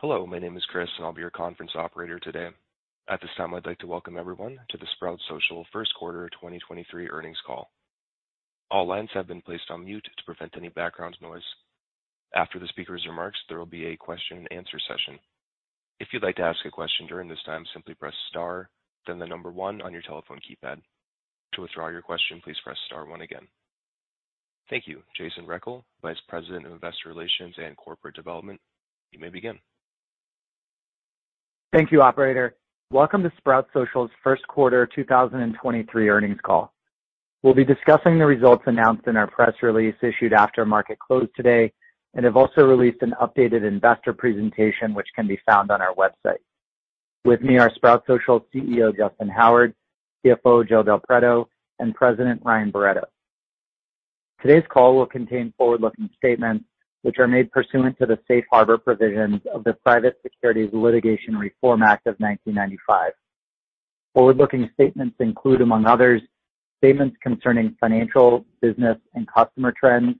Hello, my name is Chris, and I'll be your conference operator today. At this time, I'd like to welcome everyone to the Sprout Social First Quarter 2023 Earnings Call. All lines have been placed on mute to prevent any background noise. After the speaker's remarks, there will be a question and answer session. If you'd like to ask a question during this time, simply press Star, then the number one on your telephone keypad. To withdraw your question, please press star one again. Thank you. Jason Rechel, Vice President of Investor Relations and Corporate Development. You may begin. Thank you, operator. Welcome to Sprout Social's first quarter 2023 earnings call. We'll be discussing the results announced in our press release issued after market close today, and have also released an updated investor presentation, which can be found on our website. With me are Sprout Social CEO, Justyn Howard, CFO Joe Del Preto, and President Ryan Barretto. Today's call will contain forward-looking statements which are made pursuant to the safe harbor provisions of the Private Securities Litigation Reform Act of 1995. Forward-looking statements include, among others, statements concerning financial, business, and customer trends,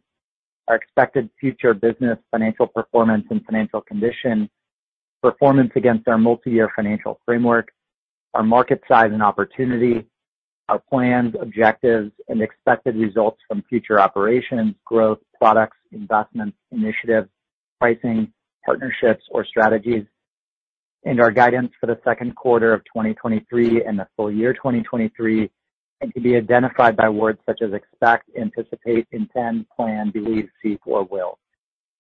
our expected future business, financial performance and financial condition, performance against our multi-year financial framework, our market size and opportunity, our plans, objectives and expected results from future operations, growth, products, investments, initiatives, pricing, partnerships or strategies, and our guidance for the second quarter of 2023 and the full year 2023, and can be identified by words such as expect, anticipate, intend, plan, believe, seek, or will.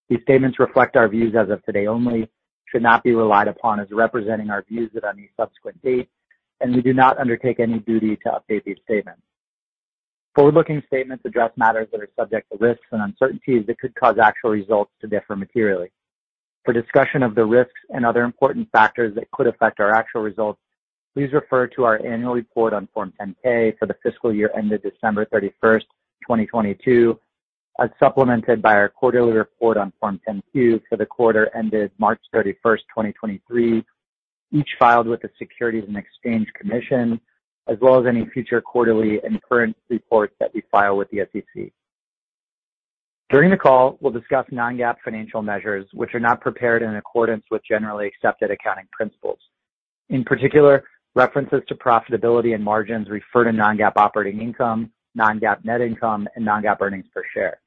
These statements reflect our views as of today only, should not be relied upon as representing our views at any subsequent date, and we do not undertake any duty to update these statements. Forward-looking statements address matters that are subject to risks and uncertainties that could cause actual results to differ materially. For discussion of the risks and other important factors that could affect our actual results, please refer to our annual report on Form 10-K for the fiscal year ended December 31st, 2022, as supplemented by our quarterly report on Form 10-Q for the quarter ended March 31st, 2023, each filed with the Securities and Exchange Commission, as well as any future quarterly and current reports that we file with the SEC. During the call, we'll discuss non-GAAP financial measures which are not prepared in accordance with generally accepted accounting principles. In particular, references to profitability and margins refer to non-GAAP operating income, non-GAAP net income, and non-GAAP earnings per share.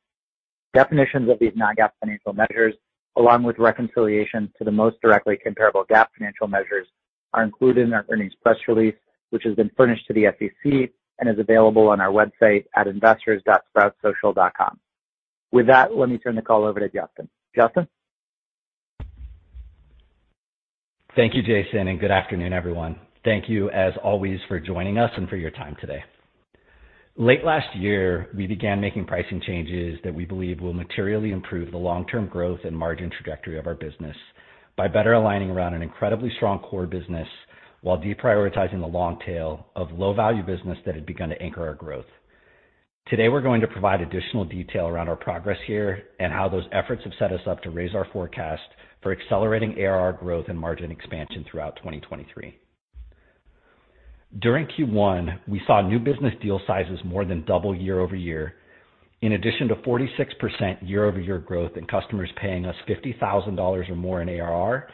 Definitions of these non-GAAP financial measures, along with reconciliation to the most directly comparable GAAP financial measures, are included in our earnings press release, which has been furnished to the SEC and is available on our website at investors.sproutsocial.com. With that, let me turn the call over to Justyn. Justyn. Thank you, Jason, and good afternoon, everyone. Thank you, as always, for joining us and for your time today. Late last year, we began making pricing changes that we believe will materially improve the long-term growth and margin trajectory of our business by better aligning around an incredibly strong core business while deprioritizing the long tail of low-value business that had begun to anchor our growth. Today, we're going to provide additional detail around our progress here and how those efforts have set us up to raise our forecast for accelerating ARR growth and margin expansion throughout 2023. During Q1, we saw new business deal sizes more than double year-over-year, in addition to 46% year-over-year growth in customers paying us $50,000 or more in ARR,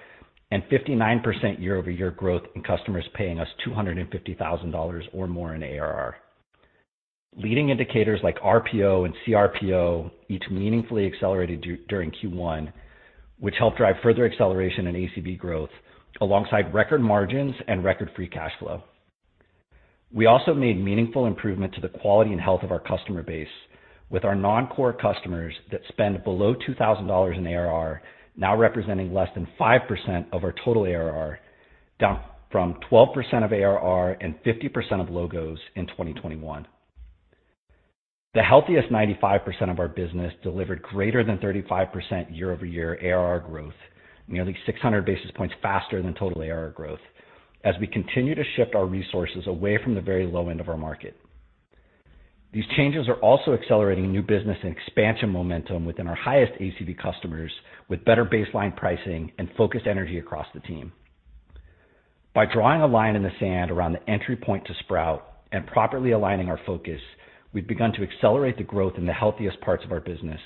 and 59% year-over-year growth in customers paying us $250,000 or more in ARR. Leading indicators like RPO and CRPO each meaningfully accelerated during Q1, which helped drive further acceleration in ACV growth alongside record margins and record free cash flow. We also made meaningful improvement to the quality and health of our customer base, with our non-core customers that spend below $2,000 in ARR now representing less than 5% of our total ARR, down from 12% of ARR and 50% of logos in 2021. The healthiest 95% of our business delivered greater than 35% year-over-year ARR growth, nearly 600 basis points faster than total ARR growth as we continue to shift our resources away from the very low end of our market. These changes are also accelerating new business and expansion momentum within our highest ACV customers with better baseline pricing and focused energy across the team. By drawing a line in the sand around the entry point to Sprout and properly aligning our focus, we've begun to accelerate the growth in the healthiest parts of our business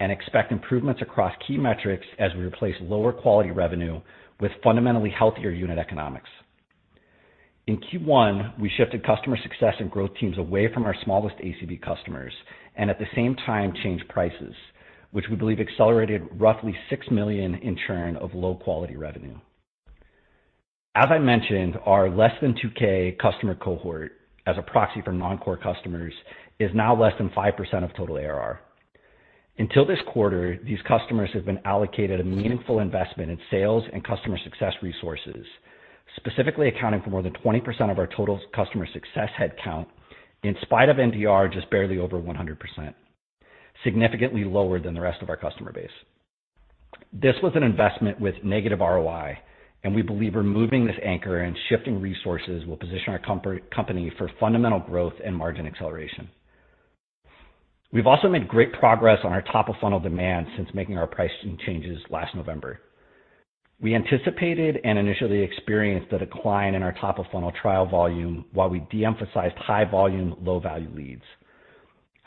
and expect improvements across key metrics as we replace lower quality revenue with fundamentally healthier unit economics. In Q1, we shifted customer success and growth teams away from our smallest ACV customers and at the same time changed prices, which we believe accelerated roughly $6 million in churn of low-quality revenue. As I mentioned, our less than $2,000 customer cohort, as a proxy for non-core customers, is now less than 5% of total ARR. Until this quarter, these customers have been allocated a meaningful investment in sales and customer success resources, specifically accounting for more than 20% of our total customer success headcount, in spite of NDR just barely over 100%, significantly lower than the rest of our customer base. This was an investment with negative ROI. We believe removing this anchor and shifting resources will position our company for fundamental growth and margin acceleration. We've also made great progress on our top-of-funnel demand since making our pricing changes last November. We anticipated and initially experienced a decline in our top-of-funnel trial volume while we de-emphasized high-volume, low-value leads.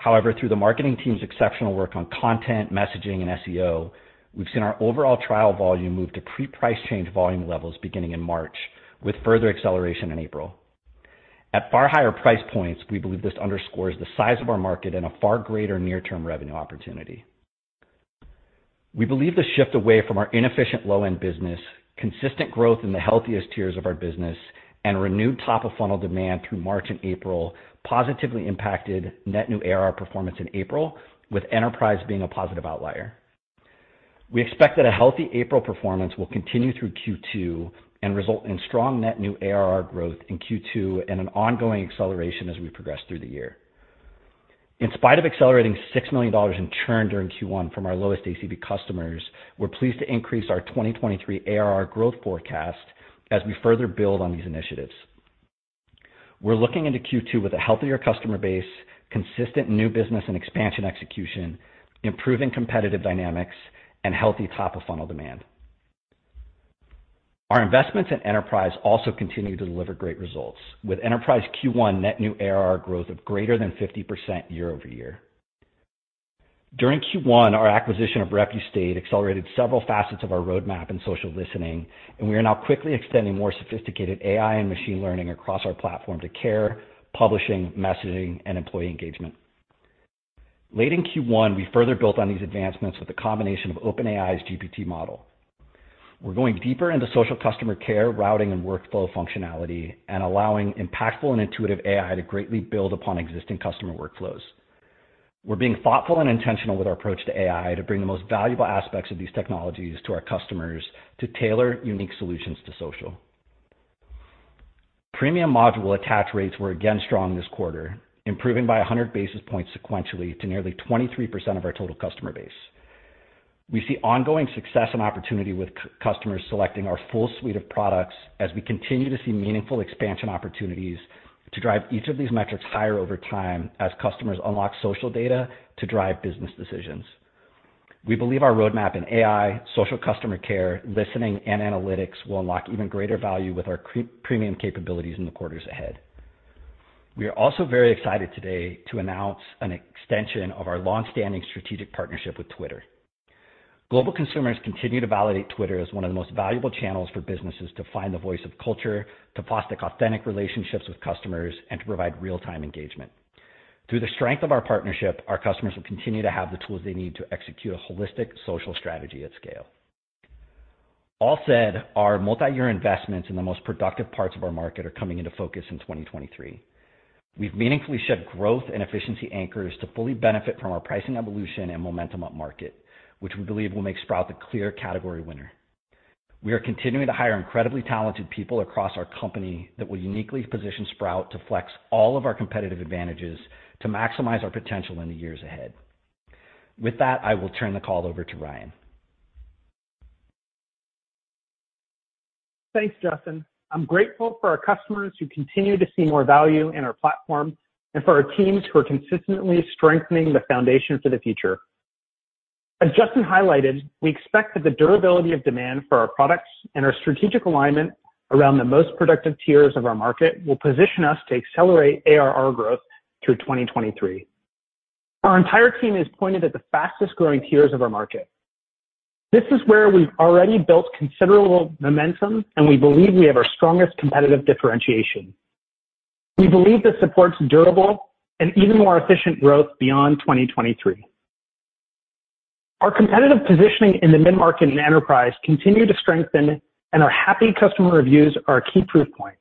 Through the marketing team's exceptional work on content, messaging, and SEO, we've seen our overall trial volume move to pre-price change volume levels beginning in March, with further acceleration in April. At far higher price points, we believe this underscores the size of our market and a far greater near-term revenue opportunity. We believe the shift away from our inefficient low-end business, consistent growth in the healthiest tiers of our business, and renewed top-of-funnel demand through March and April positively impacted net new ARR performance in April, with enterprise being a positive outlier. We expect that a healthy April performance will continue through Q2 and result in strong net new ARR growth in Q2 and an ongoing acceleration as we progress through the year. In spite of accelerating $6 million in churn during Q1 from our lowest ACV customers, we're pleased to increase our 2023 ARR growth forecast as we further build on these initiatives. We're looking into Q2 with a healthier customer base, consistent new business and expansion execution, improving competitive dynamics, and healthy top-of-funnel demand. Our investments in enterprise also continue to deliver great results, with enterprise Q1 net new ARR growth of greater than 50% year-over-year. During Q1, our acquisition of Repustate accelerated several facets of our roadmap in social listening, and we are now quickly extending more sophisticated AI and machine learning across our platform to care, publishing, messaging, and employee engagement. Late in Q1, we further built on these advancements with a combination of OpenAI's GPT model. We're going deeper into social customer care, routing, and workflow functionality and allowing impactful and intuitive AI to greatly build upon existing customer workflows. We're being thoughtful and intentional with our approach to AI to bring the most valuable aspects of these technologies to our customers to tailor unique solutions to social. Premium module attach rates were again strong this quarter, improving by 100 basis points sequentially to nearly 23% of our total customer base. We see ongoing success and opportunity with customers selecting our full suite of products as we continue to see meaningful expansion opportunities to drive each of these metrics higher over time as customers unlock social data to drive business decisions. We believe our roadmap in AI, social customer care, listening, and analytics will unlock even greater value with our premium capabilities in the quarters ahead. We are also very excited today to announce an extension of our long-standing strategic partnership with Twitter. Global consumers continue to validate Twitter as one of the most valuable channels for businesses to find the voice of culture, to foster authentic relationships with customers, and to provide real-time engagement. Through the strength of our partnership, our customers will continue to have the tools they need to execute a holistic social strategy at scale. All said, our multiyear investments in the most productive parts of our market are coming into focus in 2023. We've meaningfully shed growth and efficiency anchors to fully benefit from our pricing evolution and momentum upmarket, which we believe will make Sprout the clear category winner. We are continuing to hire incredibly talented people across our company that will uniquely position Sprout to flex all of our competitive advantages to maximize our potential in the years ahead. With that, I will turn the call over to Ryan. Thanks, Justyn. I'm grateful for our customers who continue to see more value in our platform and for our teams who are consistently strengthening the foundation for the future. As Justyn highlighted, we expect that the durability of demand for our products and our strategic alignment around the most productive tiers of our market will position us to accelerate ARR growth through 2023. Our entire team is pointed at the fastest-growing tiers of our market. This is where we've already built considerable momentum, and we believe we have our strongest competitive differentiation. We believe this supports durable and even more efficient growth beyond 2023. Our competitive positioning in the mid-market and enterprise continue to strengthen, and our happy customer reviews are a key proof point.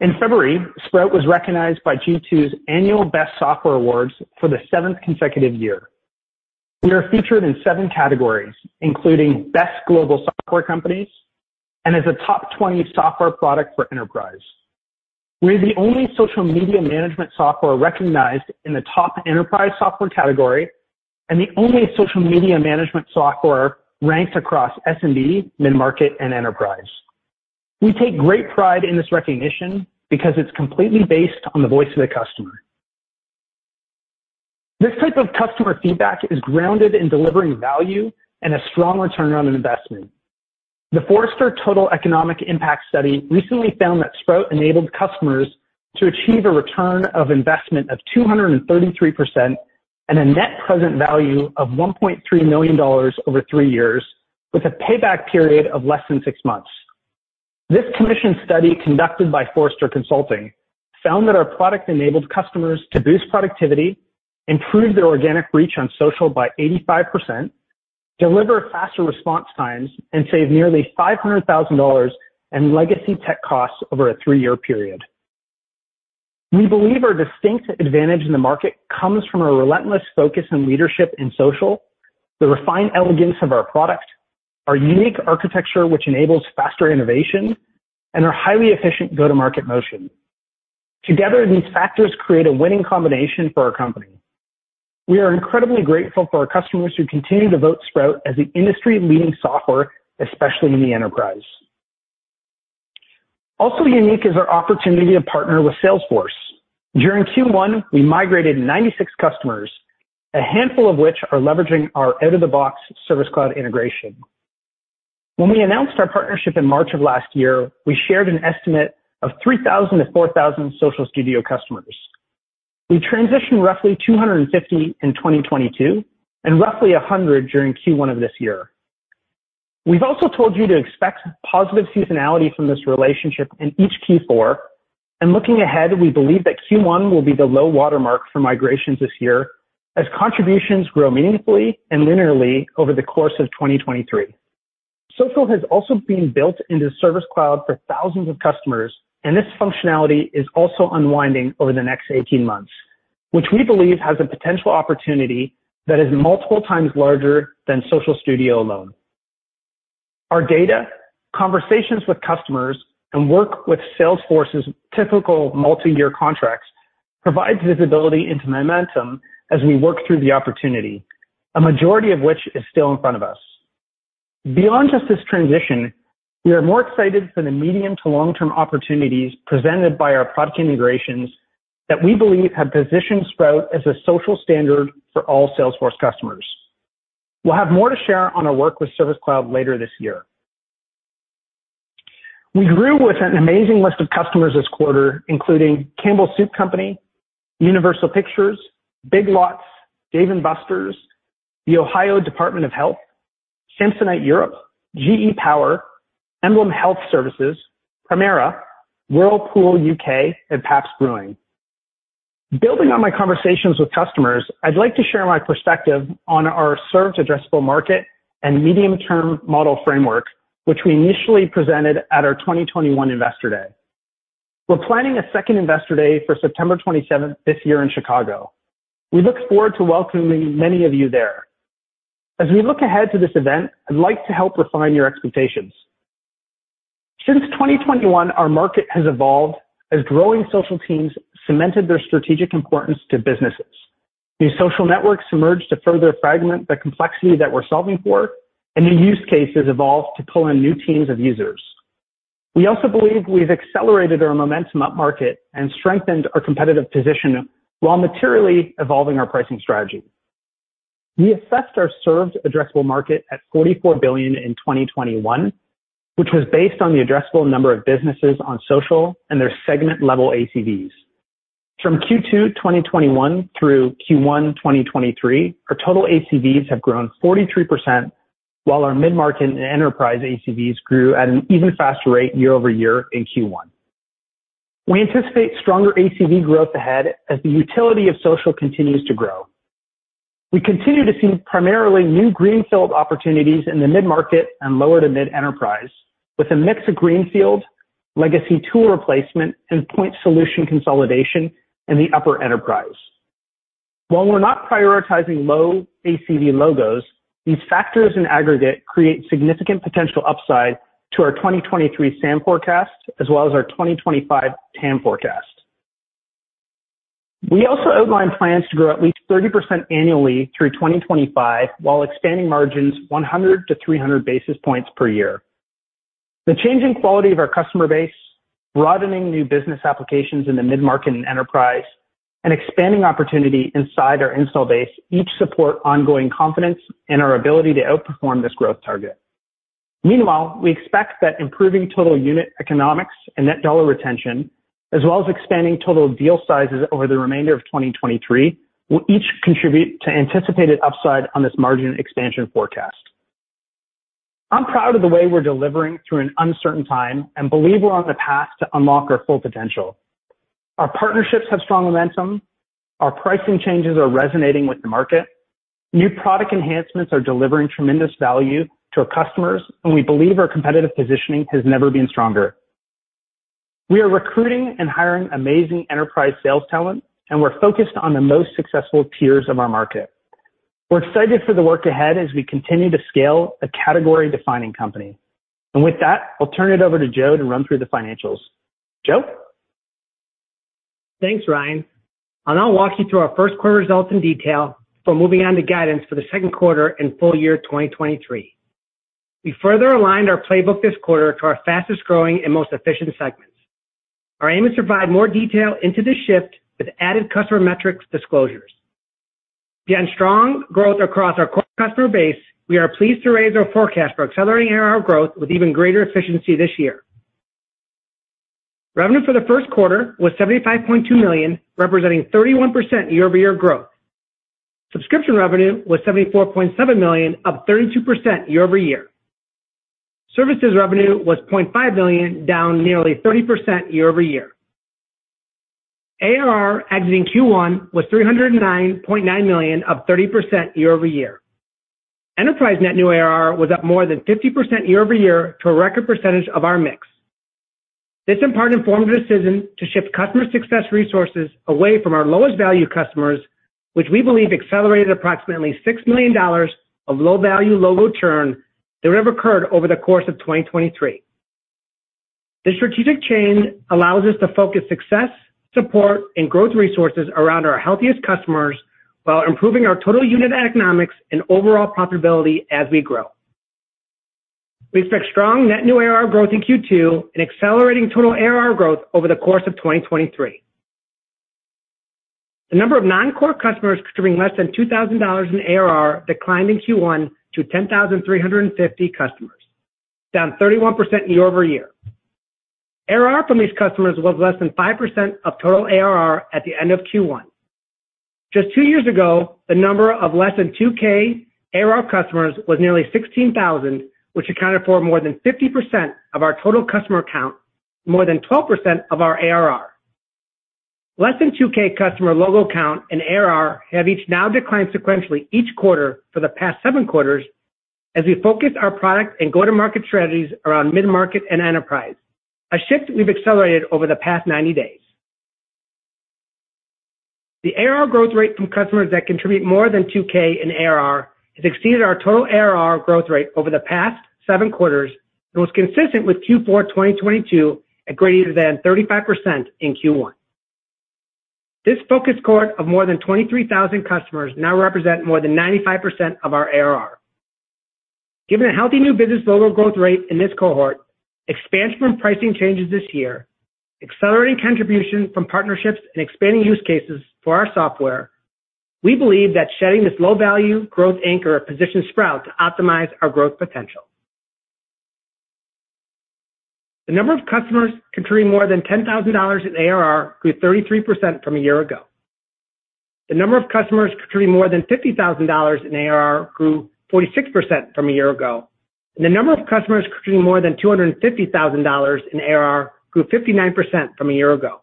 In February, Sprout was recognized by G2's annual Best Software Awards for the seventh consecutive year. We are featured in seven categories, including Best Global Software Companies and as a top 20 software product for enterprise. We are the only social media management software recognized in the top enterprise software category and the only social media management software ranked across SMB, mid-market, and enterprise. We take great pride in this recognition because it's completely based on the voice of the customer. This type of customer feedback is grounded in delivering value and a strong return on investment. The Forrester Total Economic Impact Study recently found that Sprout enabled customers to achieve a return of investment of 233% and a net present value of $1.3 million over three years with a payback period of less than six months. This commissioned study conducted by Forrester Consulting found that our product enabled customers to boost productivity, improve their organic reach on social by 85%, deliver faster response times, and save nearly $500,000 in legacy tech costs over a three-year period. We believe our distinct advantage in the market comes from a relentless focus on leadership in social, the refined elegance of our product, our unique architecture which enables faster innovation, and our highly efficient go-to-market motion. Together, these factors create a winning combination for our company. We are incredibly grateful for our customers who continue to vote Sprout as the industry-leading software, especially in the enterprise. Also unique is our opportunity to partner with Salesforce. During Q1, we migrated 96 customers, a handful of which are leveraging our out-of-the-box Service Cloud integration. When we announced our partnership in March of last year, we shared an estimate of 3,000-4,000 Social Studio customers. We transitioned roughly 250 in 2022, and roughly 100 during Q1 of this year. We've also told you to expect positive seasonality from this relationship in each Q4, and looking ahead, we believe that Q1 will be the low watermark for migrations this year as contributions grow meaningfully and linearly over the course of 2023. Social has also been built into Service Cloud for thousands of customers, and this functionality is also unwinding over the next 18 months, which we believe has a potential opportunity that is multiple times larger than Social Studio alone. Our data, conversations with customers, and work with Salesforce's typical multi-year contracts provides visibility into momentum as we work through the opportunity, a majority of which is still in front of us. Beyond just this transition, we are more excited for the medium to long-term opportunities presented by our product integrations that we believe have positioned Sprout as a social standard for all Salesforce customers. We'll have more to share on our work with Service Cloud later this year. We grew with an amazing list of customers this quarter, including Campbell Soup Company, Universal Pictures, Big Lots, Dave & Buster's, the Ohio Department of Health, Samsonite Europe, GE Power, EmblemHealth Services, Premera, Whirlpool U.K., and Pabst Brewing. Building on my conversations with customers, I'd like to share my perspective on our served addressable market and medium-term model framework, which we initially presented at our 2021 Investor Day. We're planning a second Investor Day for September 27th this year in Chicago. We look forward to welcoming many of you there. As we look ahead to this event, I'd like to help refine your expectations. Since 2021, our market has evolved as growing social teams cemented their strategic importance to businesses. New social networks emerged to further fragment the complexity that we're solving for, and new use cases evolved to pull in new teams of users. We also believe we've accelerated our momentum upmarket and strengthened our competitive position while materially evolving our pricing strategy. We assessed our served addressable market at $44 billion in 2021, which was based on the addressable number of businesses on social and their segment-level ACVs. From Q2 2021 through Q1 2023, our total ACVs have grown 43%, while our mid-market and enterprise ACVs grew at an even faster rate year-over-year in Q1. We anticipate stronger ACV growth ahead as the utility of social continues to grow. We continue to see primarily new greenfield opportunities in the mid-market and lower to mid-enterprise, with a mix of greenfield, legacy tool replacement, and point solution consolidation in the upper enterprise. While we're not prioritizing low ACV logos, these factors in aggregate create significant potential upside to our 2023 SAM forecast, as well as our 2025 TAM forecast. We also outlined plans to grow at least 30% annually through 2025 while expanding margins 100 to 300 basis points per year. The changing quality of our customer base, broadening new business applications in the mid-market and enterprise, and expanding opportunity inside our install base each support ongoing confidence in our ability to outperform this growth target. Meanwhile, we expect that improving total unit economics and net dollar retention, as well as expanding total deal sizes over the remainder of 2023, will each contribute to anticipated upside on this margin expansion forecast. I'm proud of the way we're delivering through an uncertain time and believe we're on the path to unlock our full potential. Our partnerships have strong momentum. Our pricing changes are resonating with the market. New product enhancements are delivering tremendous value to our customers, and we believe our competitive positioning has never been stronger. We are recruiting and hiring amazing enterprise sales talent, and we're focused on the most successful tiers of our market. We're excited for the work ahead as we continue to scale a category-defining company. With that, I'll turn it over to Joe to run through the financials. Joe? Thanks, Ryan. I'll now walk you through our first quarter results in detail before moving on to guidance for the second quarter and full year 2023. We further aligned our playbook this quarter to our fastest-growing and most efficient segments. Our aim is to provide more detail into this shift with added customer metrics disclosures. Again, strong growth across our core customer base, we are pleased to raise our forecast for accelerating ARR growth with even greater efficiency this year. Revenue for the first quarter was $75.2 million, representing 31% year-over-year growth. Subscription revenue was $74.7 million, up 32% year-over-year. Services revenue was $0.5 billion, down nearly 30% year-over-year. ARR exiting Q1 was $309.9 million, up 30% year-over-year. Enterprise net new ARR was up more than 50% year-over-year to a record percentage of our mix. This in part informed the decision to shift customer success resources away from our lowest value customers, which we believe accelerated approximately $6 million of low-value logo churn that would have occurred over the course of 2023. This strategic change allows us to focus success, support, and growth resources around our healthiest customers while improving our total unit economics and overall profitability as we grow. We expect strong net new ARR growth in Q2 and accelerating total ARR growth over the course of 2023. The number of non-core customers contributing less than $2,000 in ARR declined in Q1 to 10,350 customers, down 31% year-over-year. ARR from these customers was less than 5% of total ARR at the end of Q1. Just two years ago, the number of less than $2,000 ARR customers was nearly 16,000, which accounted for more than 50% of our total customer count, more than 12% of our ARR. Less than $2,000 customer logo count and ARR have each now declined sequentially each quarter for the past seven quarters as we focus our product and go-to-market strategies around mid-market and enterprise, a shift we've accelerated over the past 90 days. The ARR growth rate from customers that contribute more than $2,000 in ARR has exceeded our total ARR growth rate over the past seven quarters and was consistent with Q4 2022 at greater than 35% in Q1. This focus cohort of more than 23,000 customers now represent more than 95% of our ARR. Given a healthy new business logo growth rate in this cohort, expansion from pricing changes this year, accelerating contribution from partnerships, and expanding use cases for our software, we believe that shedding this low-value growth anchor positions Sprout to optimize our growth potential. The number of customers contributing more than $10,000 in ARR grew 33% from a year ago. The number of customers contributing more than $50,000 in ARR grew 46% from a year ago. The number of customers contributing more than $250,000 in ARR grew 59% from a year ago.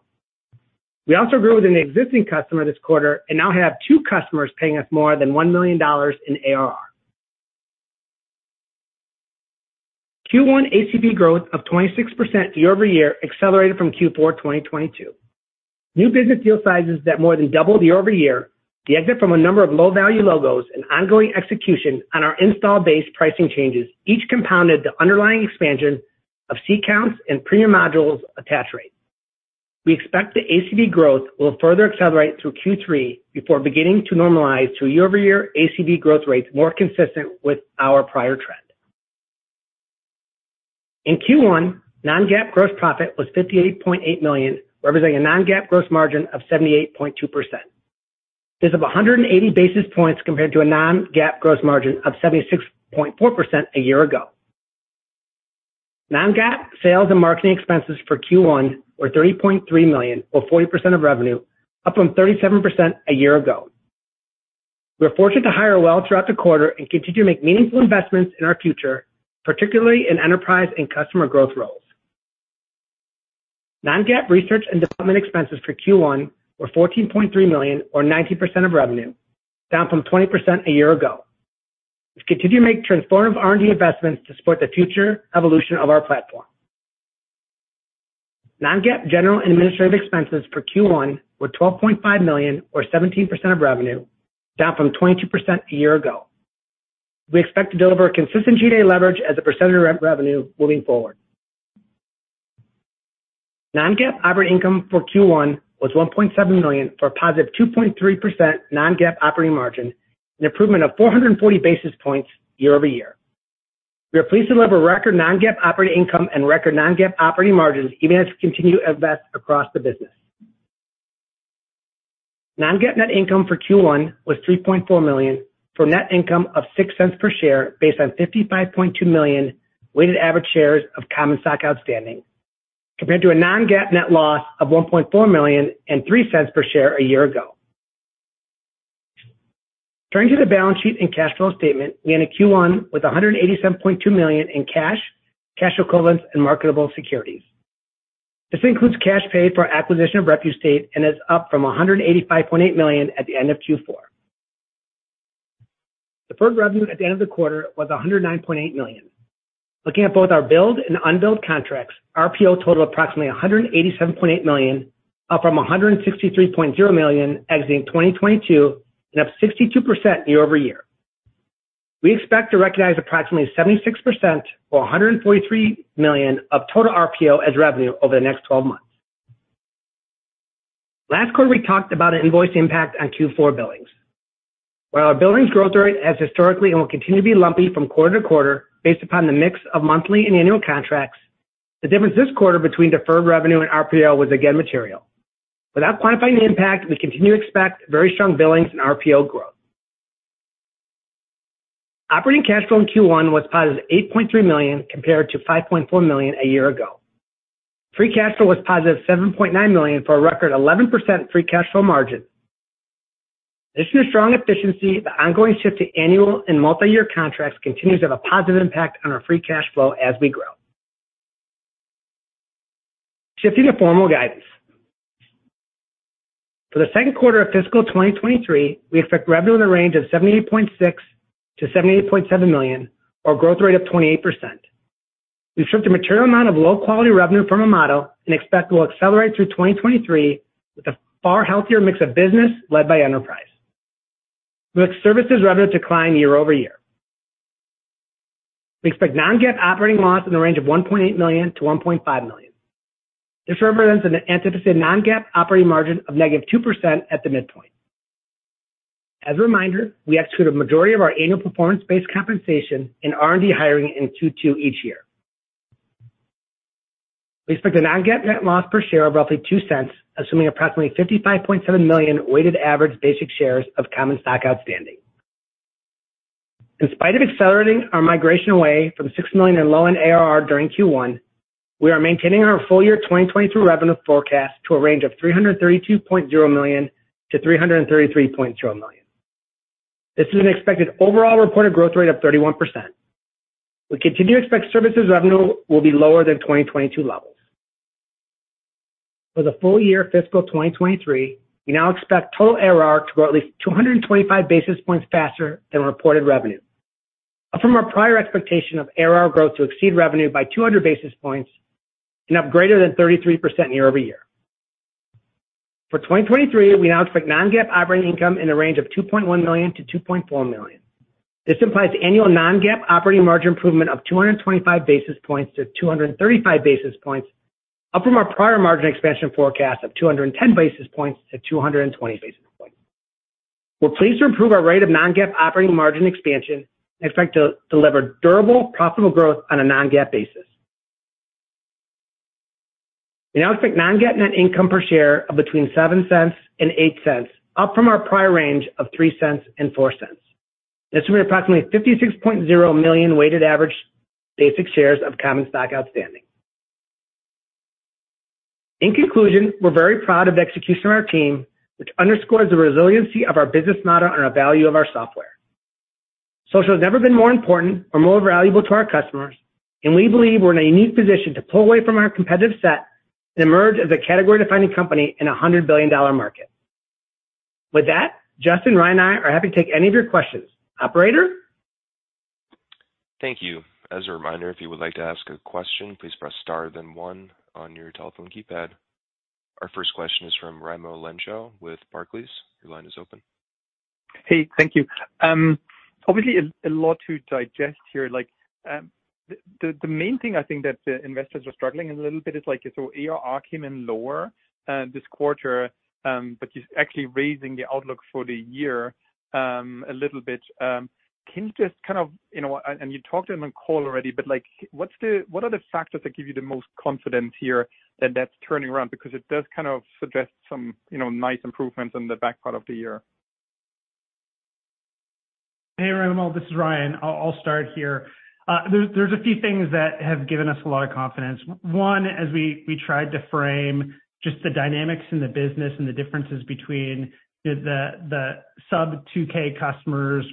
We also grew with an existing customer this quarter and now have two customers paying us more than $1 million in ARR. Q1 ACV growth of 26% year-over-year accelerated from Q4 2022. New business deal sizes that more than doubled year-over-year, the exit from a number of low-value logos, and ongoing execution on our install base pricing changes each compounded the underlying expansion of seat counts and premium modules attach rate. We expect the ACV growth will further accelerate through Q3 before beginning to normalize to a year-over-year ACV growth rate more consistent with our prior trend. In Q1, non-GAAP gross profit was $58.8 million, representing a non-GAAP gross margin of 78.2%. This is up 180 basis points compared to a non-GAAP gross margin of 76.4% a year ago. Non-GAAP sales and marketing expenses for Q1 were $30.3 million, or 40% of revenue, up from 37% a year ago. We're fortunate to hire well throughout the quarter and continue to make meaningful investments in our future, particularly in enterprise and customer growth roles. Non-GAAP research and development expenses for Q1 were $14.3 million or 19% of revenue, down from 20% a year ago. We continue to make transformative R&D investments to support the future evolution of our platform. Non-GAAP general and administrative expenses for Q1 were $12.5 million or 17% of revenue, down from 22% a year ago. We expect to deliver consistent GA leverage as a percentage of revenue moving forward. Non-GAAP operating income for Q1 was $1.7 million for a positive 2.3% non-GAAP operating margin, an improvement of 440 basis points year-over-year. We are pleased to deliver record non-GAAP operating income and record non-GAAP operating margins even as we continue to invest across the business. Non-GAAP net income for Q1 was $3.4 million for net income of $0.06 per share based on 55.2 million weighted average shares of common stock outstanding, compared to a non-GAAP net loss of $1.4 million and $0.03 per share a year ago. Turning to the balance sheet and cash flow statement, we end Q1 with $187.2 million in cash equivalents, and marketable securities. This includes cash paid for our acquisition of Repustate and is up from $185.8 million at the end of Q4. Deferred revenue at the end of the quarter was $109.8 million. Looking at both our billed and unbilled contracts, our RPO totaled approximately $187.8 million, up from $163.0 million exiting 2022 and up 62% year-over-year. We expect to recognize approximately 76% or $143 million of total RPO as revenue over the next 12 months. Last quarter, we talked about an invoice impact on Q4 billings. While our billings growth rate has historically and will continue to be lumpy from quarter to quarter based upon the mix of monthly and annual contracts, the difference this quarter between deferred revenue and RPO was again material. Without quantifying the impact, we continue to expect very strong billings and RPO growth. Operating cash flow in Q1 was positive $8.3 million compared to $5.4 million a year ago. Free cash flow was positive $7.9 million for a record 11% free cash flow margin. In addition to strong efficiency, the ongoing shift to annual and multi-year contracts continues to have a positive impact on our free cash flow as we grow. Shifting to formal guidance. For the second quarter of fiscal 2023, we expect revenue in the range of $78.6 million-$78.7 million, or a growth rate of 28%. We've stripped a material amount of low-quality revenue from our model and expect it will accelerate through 2023 with a far healthier mix of business led by enterprise. We expect services revenue to decline year-over-year. We expect non-GAAP operating loss in the range of $1.8 million-$1.5 million. This represents an anticipated non-GAAP operating margin of -2% at the midpoint. As a reminder, we execute a majority of our annual performance-based compensation in R&D hiring in Q2 each year. We expect a non-GAAP net loss per share of roughly $0.02, assuming approximately 55.7 million weighted average basic shares of common stock outstanding. In spite of accelerating our migration away from $6 million in low-end ARR during Q1, we are maintaining our full year 2022 revenue forecast to a range of $332.0 million-$333.0 million. This is an expected overall reported growth rate of 31%. We continue to expect services revenue will be lower than 2022 levels. For the full year fiscal 2023, we now expect total ARR to grow at least 225 basis points faster than reported revenue. From our prior expectation of ARR growth to exceed revenue by 200 basis points and up greater than 33% year-over-year. For 2023, we now expect non-GAAP operating income in the range of $2.1 million-$2.4 million. This implies annual non-GAAP operating margin improvement of 225-235 basis points, up from our prior margin expansion forecast of 210-220 basis points. We're pleased to improve our rate of non-GAAP operating margin expansion and expect to deliver durable, profitable growth on a non-GAAP basis. We now expect non-GAAP net income per share of between $0.07 and $0.08, up from our prior range of $0.03 and $0.04, and assuming approximately 56.0 million weighted average basic shares of common stock outstanding. In conclusion, we're very proud of the execution of our team, which underscores the resiliency of our business model and our value of our software. Social has never been more important or more valuable to our customers, and we believe we're in a unique position to pull away from our competitive set and emerge as a category-defining company in a $100 billion market. With that, Justyn, Ryan, and I are happy to take any of your questions. Operator? Thank you. As a reminder, if you would like to ask a question, please press star then one on your telephone keypad. Our first question is from Raimo Lenschow with Barclays. Your line is open. Hey, thank you. Obviously a lot to digest here. Like, the main thing I think that the investors are struggling a little bit is like, ARR came in lower this quarter, you're actually raising the outlook for the year a little bit. Can you just kind of, you know, and you talked in the call already, like what are the factors that give you the most confidence here that that's turning around? It does kind of suggest some, you know, nice improvements in the back part of the year. Hey, Raimo, this is Ryan. I'll start here. There's a few things that have given us a lot of confidence. One, as we tried to frame just the dynamics in the business and the differences between the sub $2,000 customers,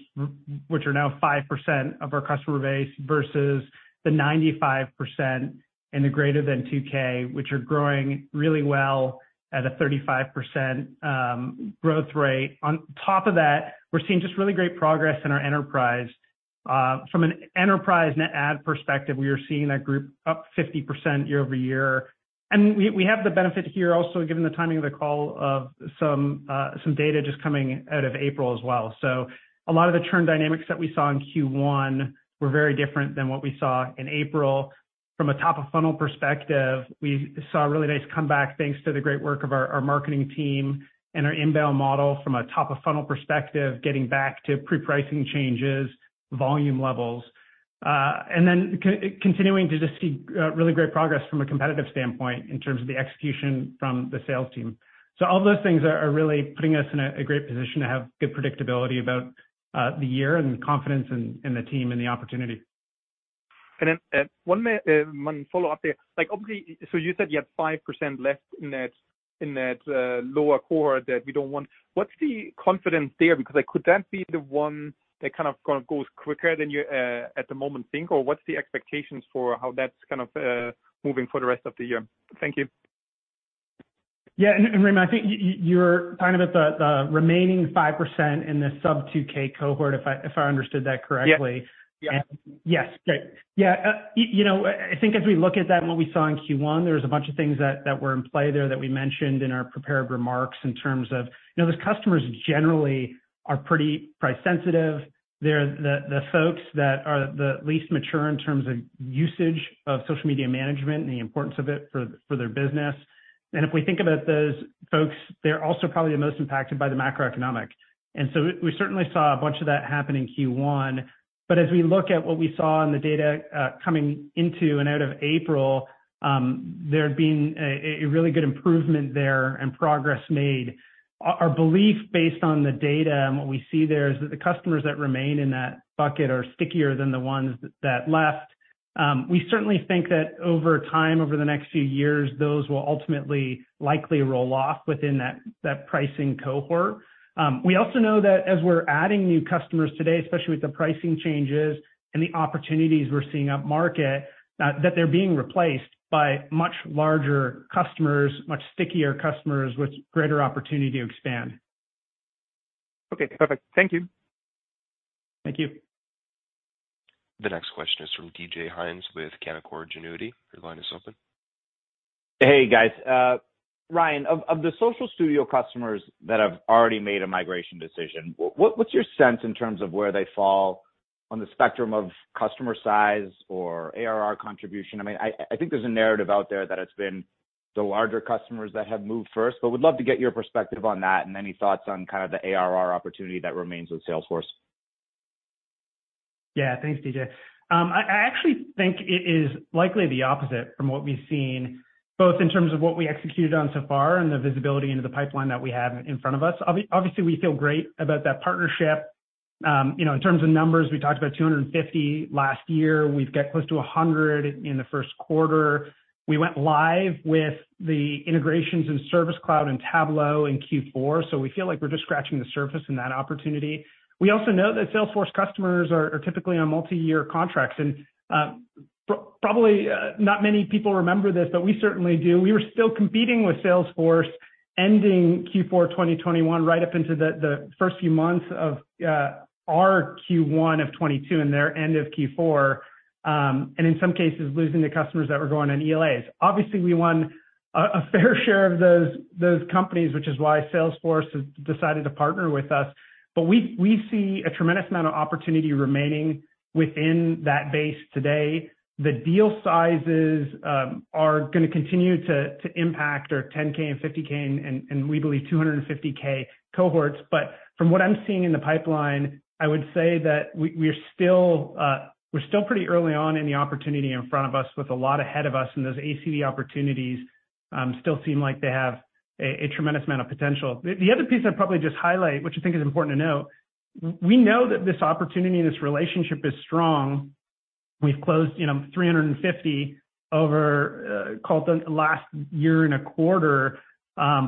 which are now 5% of our customer base, versus the 95% in the greater than $2,000, which are growing really well at a 35% growth rate. On top of that, we're seeing just really great progress in our enterprise. From an enterprise net add perspective, we are seeing that group up 50% year-over-year. We have the benefit here also, given the timing of the call, of some data just coming out of April as well. A lot of the churn dynamics that we saw in Q1 were very different than what we saw in April. From a top of funnel perspective, we saw a really nice comeback thanks to the great work of our marketing team and our inbound model from a top of funnel perspective, getting back to pre-pricing changes, volume levels, and then continuing to just see really great progress from a competitive standpoint in terms of the execution from the sales team. All those things are really putting us in a great position to have good predictability about the year and confidence in the team and the opportunity. One follow-up there. Like, obviously, you said you had 5% left in that lower cohort that we don't want. What's the confidence there? Like, could that be the one that kind of goes quicker than you at the moment think? What's the expectations for how that's kind of moving for the rest of the year? Thank you. Yeah. Raimo, I think you're kind of at the remaining 5% in the sub $2,000 cohort, if I understood that correctly. Yeah. Yeah. Yes. Great. Yeah. You know, I think as we look at that and what we saw in Q1, there was a bunch of things that were in play there that we mentioned in our prepared remarks in terms of, you know, those customers generally are pretty price sensitive. They're the folks that are the least mature in terms of usage of social media management and the importance of it for their business. If we think about those folks, they're also probably the most impacted by the macroeconomic. As we look at what we saw in the data, coming into and out of April, there have been a really good improvement there and progress made. Our belief based on the data and what we see there is that the customers that remain in that bucket are stickier than the ones that left. We certainly think that over time, over the next few years, those will ultimately likely roll off within that pricing cohort. We also know that as we're adding new customers today, especially with the pricing changes and the opportunities we're seeing up market, that they're being replaced by much larger customers, much stickier customers with greater opportunity to expand. Okay, perfect. Thank you. Thank you. The next question is from DJ Hynes with Canaccord Genuity. Your line is open. Hey, guys. Ryan, of the Social Studio customers that have already made a migration decision, what's your sense in terms of where they fall on the spectrum of customer size or ARR contribution? I mean, I think there's a narrative out there that it's been the larger customers that have moved first, but would love to get your perspective on that and any thoughts on kind of the ARR opportunity that remains with Salesforce. Yeah. Thanks, DJ. I actually think it is likely the opposite from what we've seen, both in terms of what we executed on so far and the visibility into the pipeline that we have in front of us. Obviously, we feel great about that partnership. You know, in terms of numbers, we talked about 250 last year. We've got close to 100 in the first quarter. We went live with the integrations in Service Cloud and Tableau in Q4, so we feel like we're just scratching the surface in that opportunity. We also know that Salesforce customers are typically on multi-year contracts. Probably, not many people remember this, but we certainly do. We were still competing with Salesforce ending Q4 2021 right up into the first few months of our Q1 of 2022 and their end of Q4. In some cases, losing the customers that were going on ELAs. Obviously, we won a fair share of those companies, which is why Salesforce has decided to partner with us, but we see a tremendous amount of opportunity remaining within that base today. The deal sizes are gonna continue to impact our $10,000 and $50,000 and we believe $250,000 cohorts. From what I'm seeing in the pipeline, I would say that we're still pretty early on in the opportunity in front of us with a lot ahead of us, and those ACV opportunities still seem like they have a tremendous amount of potential. The other piece I'd probably just highlight, which I think is important to note, we know that this opportunity and this relationship is strong. We've closed, you know, 350 over, call it the last year and a quarter.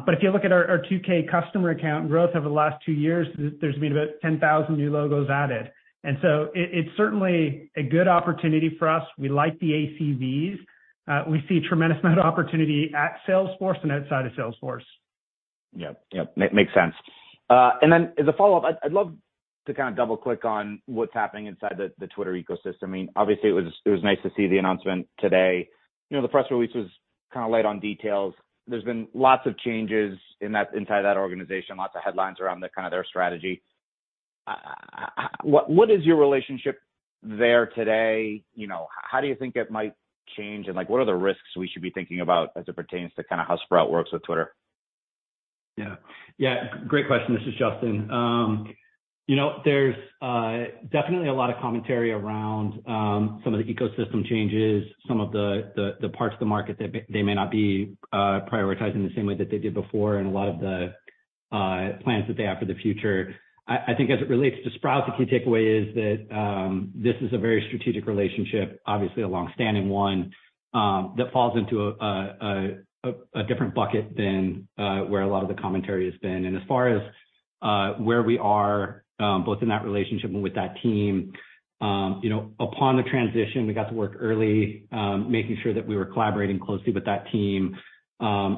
If you look at our $2,000 customer account growth over the last two years, there's been about 10,000 new logos added. It's certainly a good opportunity for us. We like the ACVs. We see a tremendous amount of opportunity at Salesforce and outside of Salesforce. Yep. Yep. Makes sense. As a follow-up, I'd love to kind of double-click on what's happening inside the Twitter ecosystem. I mean, obviously it was nice to see the announcement today. You know, the press release was kind of light on details. There's been lots of changes inside that organization, lots of headlines around the kind of their strategy. What is your relationship there today? You know, how do you think it might change, and, like, what are the risks we should be thinking about as it pertains to kind of how Sprout works with Twitter? Yeah. Yeah. Great question. This is Justyn. you know, there's definitely a lot of commentary around some of the ecosystem changes, some of the parts of the market that they may not be prioritizing the same way that they did before, and a lot of the plans that they have for the future. I think as it relates to Sprout, the key takeaway is that this is a very strategic relationship, obviously a long-standing one, that falls into a different bucket than where a lot of the commentary has been. As far as where we are, both in that relationship and with that team, you know, upon the transition, we got to work early, making sure that we were collaborating closely with that team,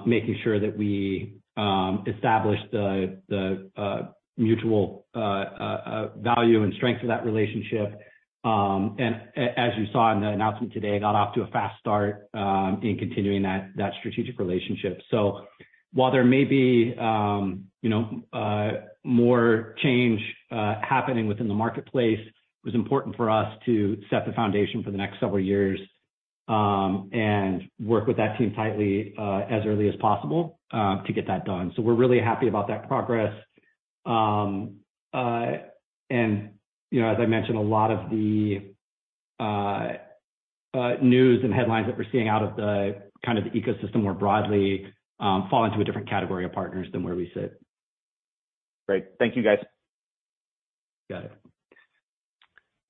making sure that we established the mutual value and strength of that relationship. As you saw in the announcement today, got off to a fast start, in continuing that strategic relationship. While there may be, you know, more change happening within the marketplace, it was important for us to set the foundation for the next several years, and work with that team tightly, as early as possible, to get that done. We're really happy about that progress. You know, as I mentioned, a lot of the news and headlines that we're seeing out of the kind of ecosystem more broadly, fall into a different category of partners than where we sit. Great. Thank you guys. Got it.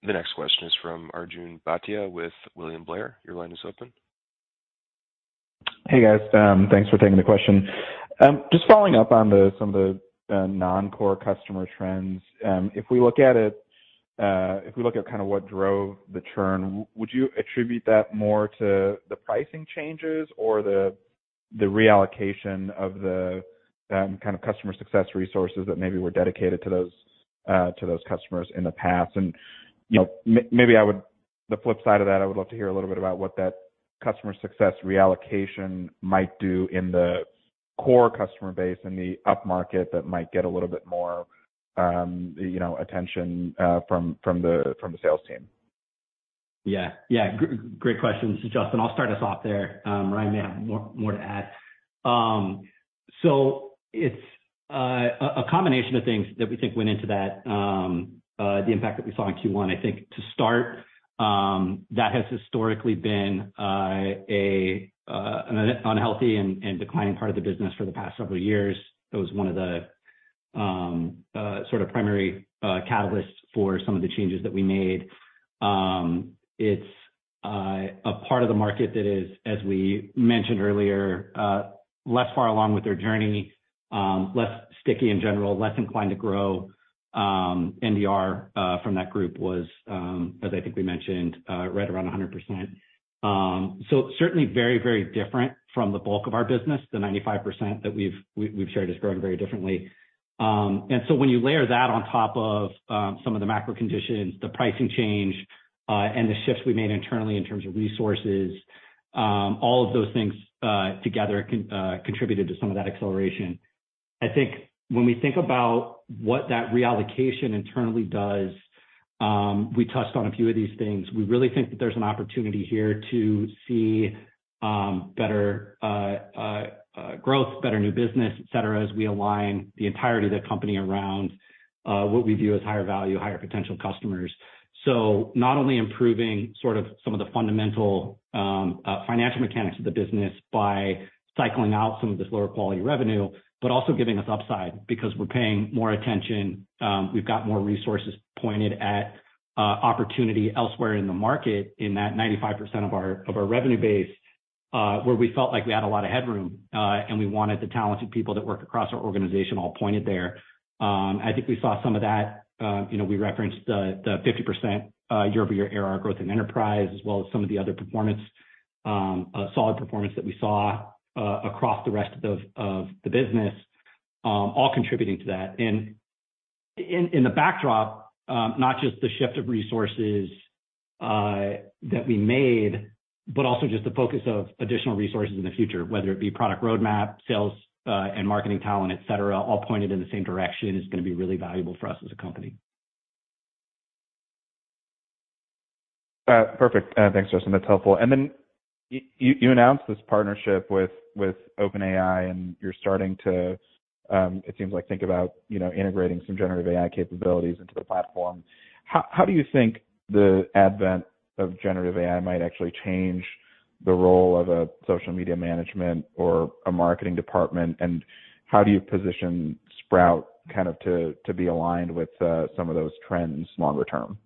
The next question is from Arjun Bhatia with William Blair. Your line is open. Hey, guys. Thanks for taking the question. Just following up on some of the non-core customer trends. If we look at it, if we look at kind of what drove the churn, would you attribute that more to the pricing changes or the reallocation of the kind of customer success resources that maybe were dedicated to those customers in the past? You know, maybe I would. The flip side of that, I would love to hear a little bit about what that customer success reallocation might do in the core customer base in the upmarket that might get a little bit more, you know, attention, from the sales team. Yeah. Yeah. Great question. This is Justyn. I'll start us off there. Ryan may have more to add. It's a combination of things that we think went into that, the impact that we saw in Q1. I think to start, that has historically been an unhealthy and declining part of the business for the past several years. It was one of the sort of primary catalysts for some of the changes that we made. It's a part of the market that is, as we mentioned earlier, less far along with their journey, less sticky in general, less inclined to grow. NDR from that group was, as I think we mentioned, right around 100%. Certainly very different from the bulk of our business. The 95% that we've shared is growing very differently. When you layer that on top of some of the macro conditions, the pricing change, and the shifts we made internally in terms of resources, all of those things together contributed to some of that acceleration. I think when we think about what that reallocation internally does, we touched on a few of these things. We really think that there's an opportunity here to see better growth, better new business, et cetera, as we align the entirety of the company around what we view as higher value, higher potential customers. Not only improving sort of some of the fundamental financial mechanics of the business by cycling out some of this lower quality revenue, but also giving us upside because we're paying more attention, we've got more resources pointed at opportunity elsewhere in the market in that 95% of our, of our revenue base, where we felt like we had a lot of headroom, and we wanted the talented people that work across our organization all pointed there. I think we saw some of that, you know, we referenced the 50% year-over-year ARR growth in enterprise as well as some of the other performance, solid performance that we saw across the rest of the business, all contributing to that. In the backdrop, not just the shift of resources that we made, but also just the focus of additional resources in the future, whether it be product roadmap, sales, and marketing talent, et cetera, all pointed in the same direction is gonna be really valuable for us as a company. Perfect. Thanks, Justyn, that's helpful. You, you announced this partnership with OpenAI, and you're starting to, it seems like think about, you know, integrating some generative AI capabilities into the platform. How do you think the advent of generative AI might actually change the role of a social media management or a marketing department? How do you position Sprout kind of to be aligned with some of those trends longer term?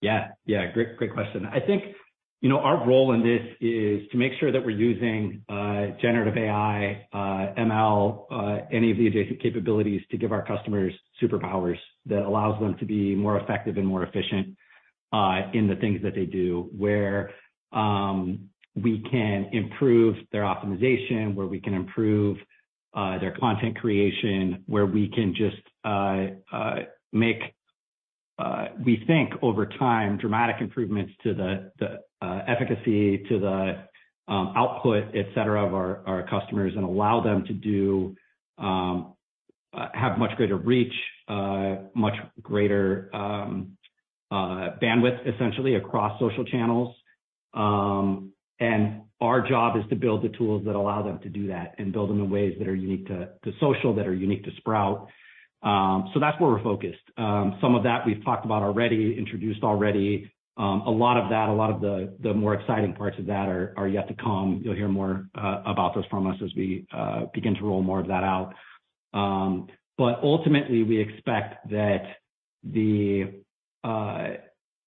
Yeah. Yeah. Great question. I think, you know, our role in this is to make sure that we're using generative AI, ML, any of the adjacent capabilities to give our customers superpowers that allows them to be more effective and more efficient in the things that they do. Where we can improve their optimization, where we can improve their content creation, where we can just make, we think over time, dramatic improvements to the efficacy to the output, et cetera, of our customers and allow them to do have much greater reach, much greater bandwidth essentially across social channels. Our job is to build the tools that allow them to do that and build them in ways that are unique to social, that are unique to Sprout. That's where we're focused. Some of that we've talked about already, introduced already. A lot of the more exciting parts of that are yet to come. You'll hear more about those from us as we begin to roll more of that out. Ultimately, we expect that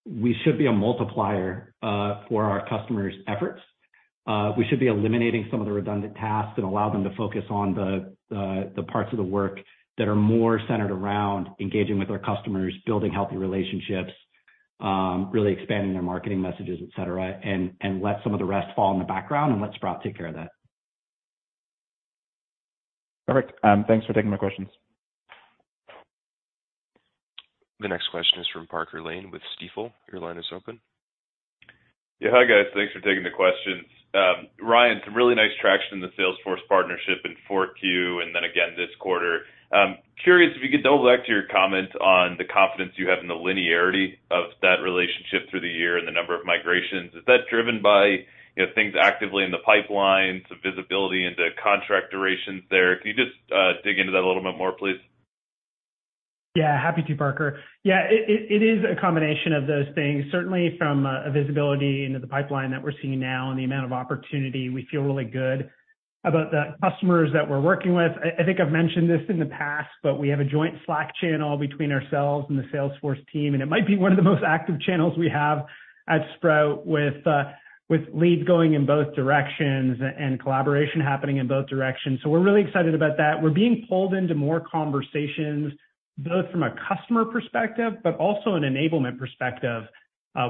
we should be a multiplier for our customers' efforts. We should be eliminating some of the redundant tasks and allow them to focus on the parts of the work that are more centered around engaging with our customers, building healthy relationships, really expanding their marketing messages, et cetera, and let some of the rest fall in the background and let Sprout take care of that. Perfect. Thanks for taking my questions. The next question is from Parker Lane with Stifel. Your line is open. Hi, guys. Thanks for taking the questions. Ryan, some really nice traction in the Salesforce partnership in 4Q and then again this quarter. Curious if you could double back to your comment on the confidence you have in the linearity of that relationship through the year and the number of migrations. Is that driven by, you know, things actively in the pipeline to visibility into contract durations there? Can you just dig into that a little bit more, please? Happy to, Parker. It is a combination of those things, certainly from a visibility into the pipeline that we're seeing now and the amount of opportunity, we feel really good about the customers that we're working with. I think I've mentioned this in the past, but we have a joint Slack channel between ourselves and the Salesforce team, and it might be one of the most active channels we have at Sprout with leads going in both directions and collaboration happening in both directions. We're really excited about that. We're being pulled into more conversations, both from a customer perspective, but also an enablement perspective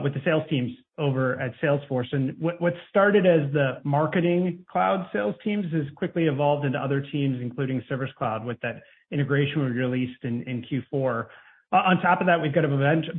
with the sales teams over at Salesforce. What started as the marketing cloud sales teams has quickly evolved into other teams, including Service Cloud, with that integration we released in Q4. On top of that, we've got a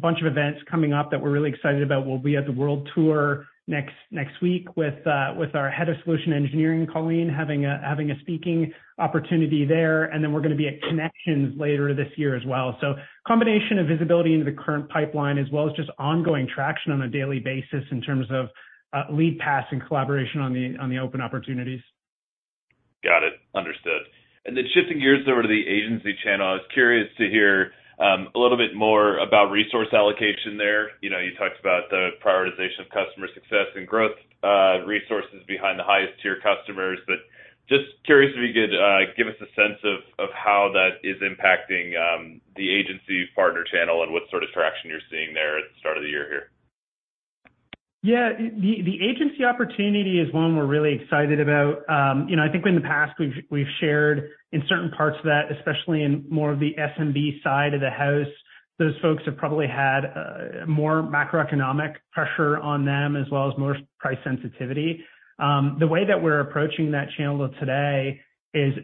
bunch of events coming up that we're really excited about. We'll be at the World Tour next week with our head of solution engineering, Colleen, having a speaking opportunity there, and then we're gonna be at Connections later this year as well. Combination of visibility into the current pipeline as well as just ongoing traction on a daily basis in terms of lead pass and collaboration on the open opportunities. Got it. Understood. Then shifting gears there to the agency channel, I was curious to hear a little bit more about resource allocation there. You know, you talked about the prioritization of customer success and growth resources behind the highest tier customers, but just curious if you could give us a sense of how that is impacting the agency partner channel and what sort of traction you're seeing there at the start of the year here. Yeah. The agency opportunity is one we're really excited about. you know, I think in the past we've shared in certain parts of that, especially in more of the SMB side of the house, those folks have probably had more macroeconomic pressure on them as well as more price sensitivity. The way that we're approaching that channel today is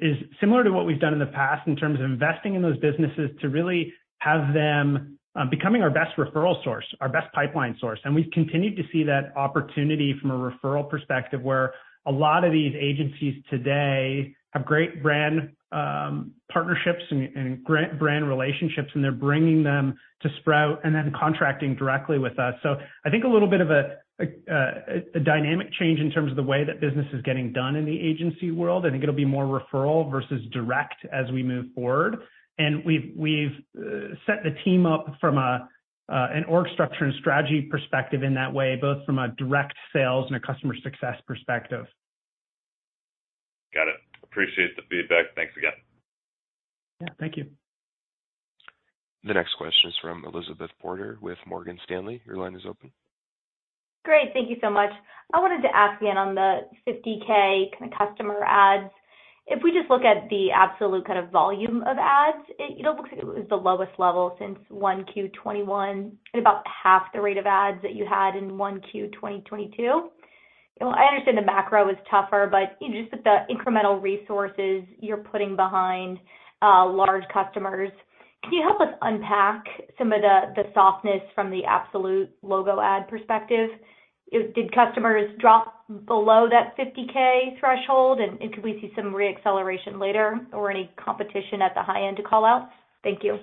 similar to what we've done in the past in terms of investing in those businesses to really have them becoming our best referral source, our best pipeline source. We've continued to see that opportunity from a referral perspective, where a lot of these agencies today have great brand partnerships and brand relationships, and they're bringing them to Sprout and then contracting directly with us. I think a little bit of a dynamic change in terms of the way that business is getting done in the agency world. I think it'll be more referral versus direct as we move forward. We've set the team up from an org structure and strategy perspective in that way, both from a direct sales and a customer success perspective. Got it. Appreciate the feedback. Thanks again. Yeah, thank you. The next question is from Elizabeth Porter with Morgan Stanley. Your line is open. Great. Thank you so much. I wanted to ask again on the $50,000 kind of customer ads. If we just look at the absolute kind of volume of ads, it, you know, looks like it was the lowest level since 1Q 2021, and about half the rate of ads that you had in 1Q 2022. You know, I understand the macro is tougher, but, you know, just with the incremental resources you're putting behind large customers, can you help us unpack some of the softness from the absolute logo ad perspective? Did customers drop below that $50,000 threshold? Could we see some re-acceleration later or any competition at the high end to call out? Thank you.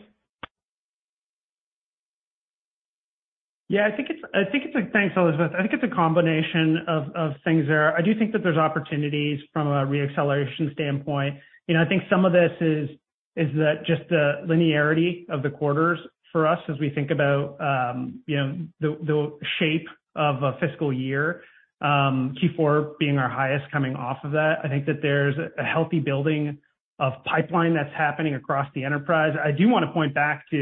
Yeah, I think it's a. Thanks, Elizabeth. I think it's a combination of things there. I do think that there's opportunities from a re-acceleration standpoint. You know, I think some of this is that just the linearity of the quarters for us as we think about, you know, the shape of a fiscal year, Q4 being our highest coming off of that. I think that there's a healthy building of pipeline that's happening across the enterprise. I do wanna point back to,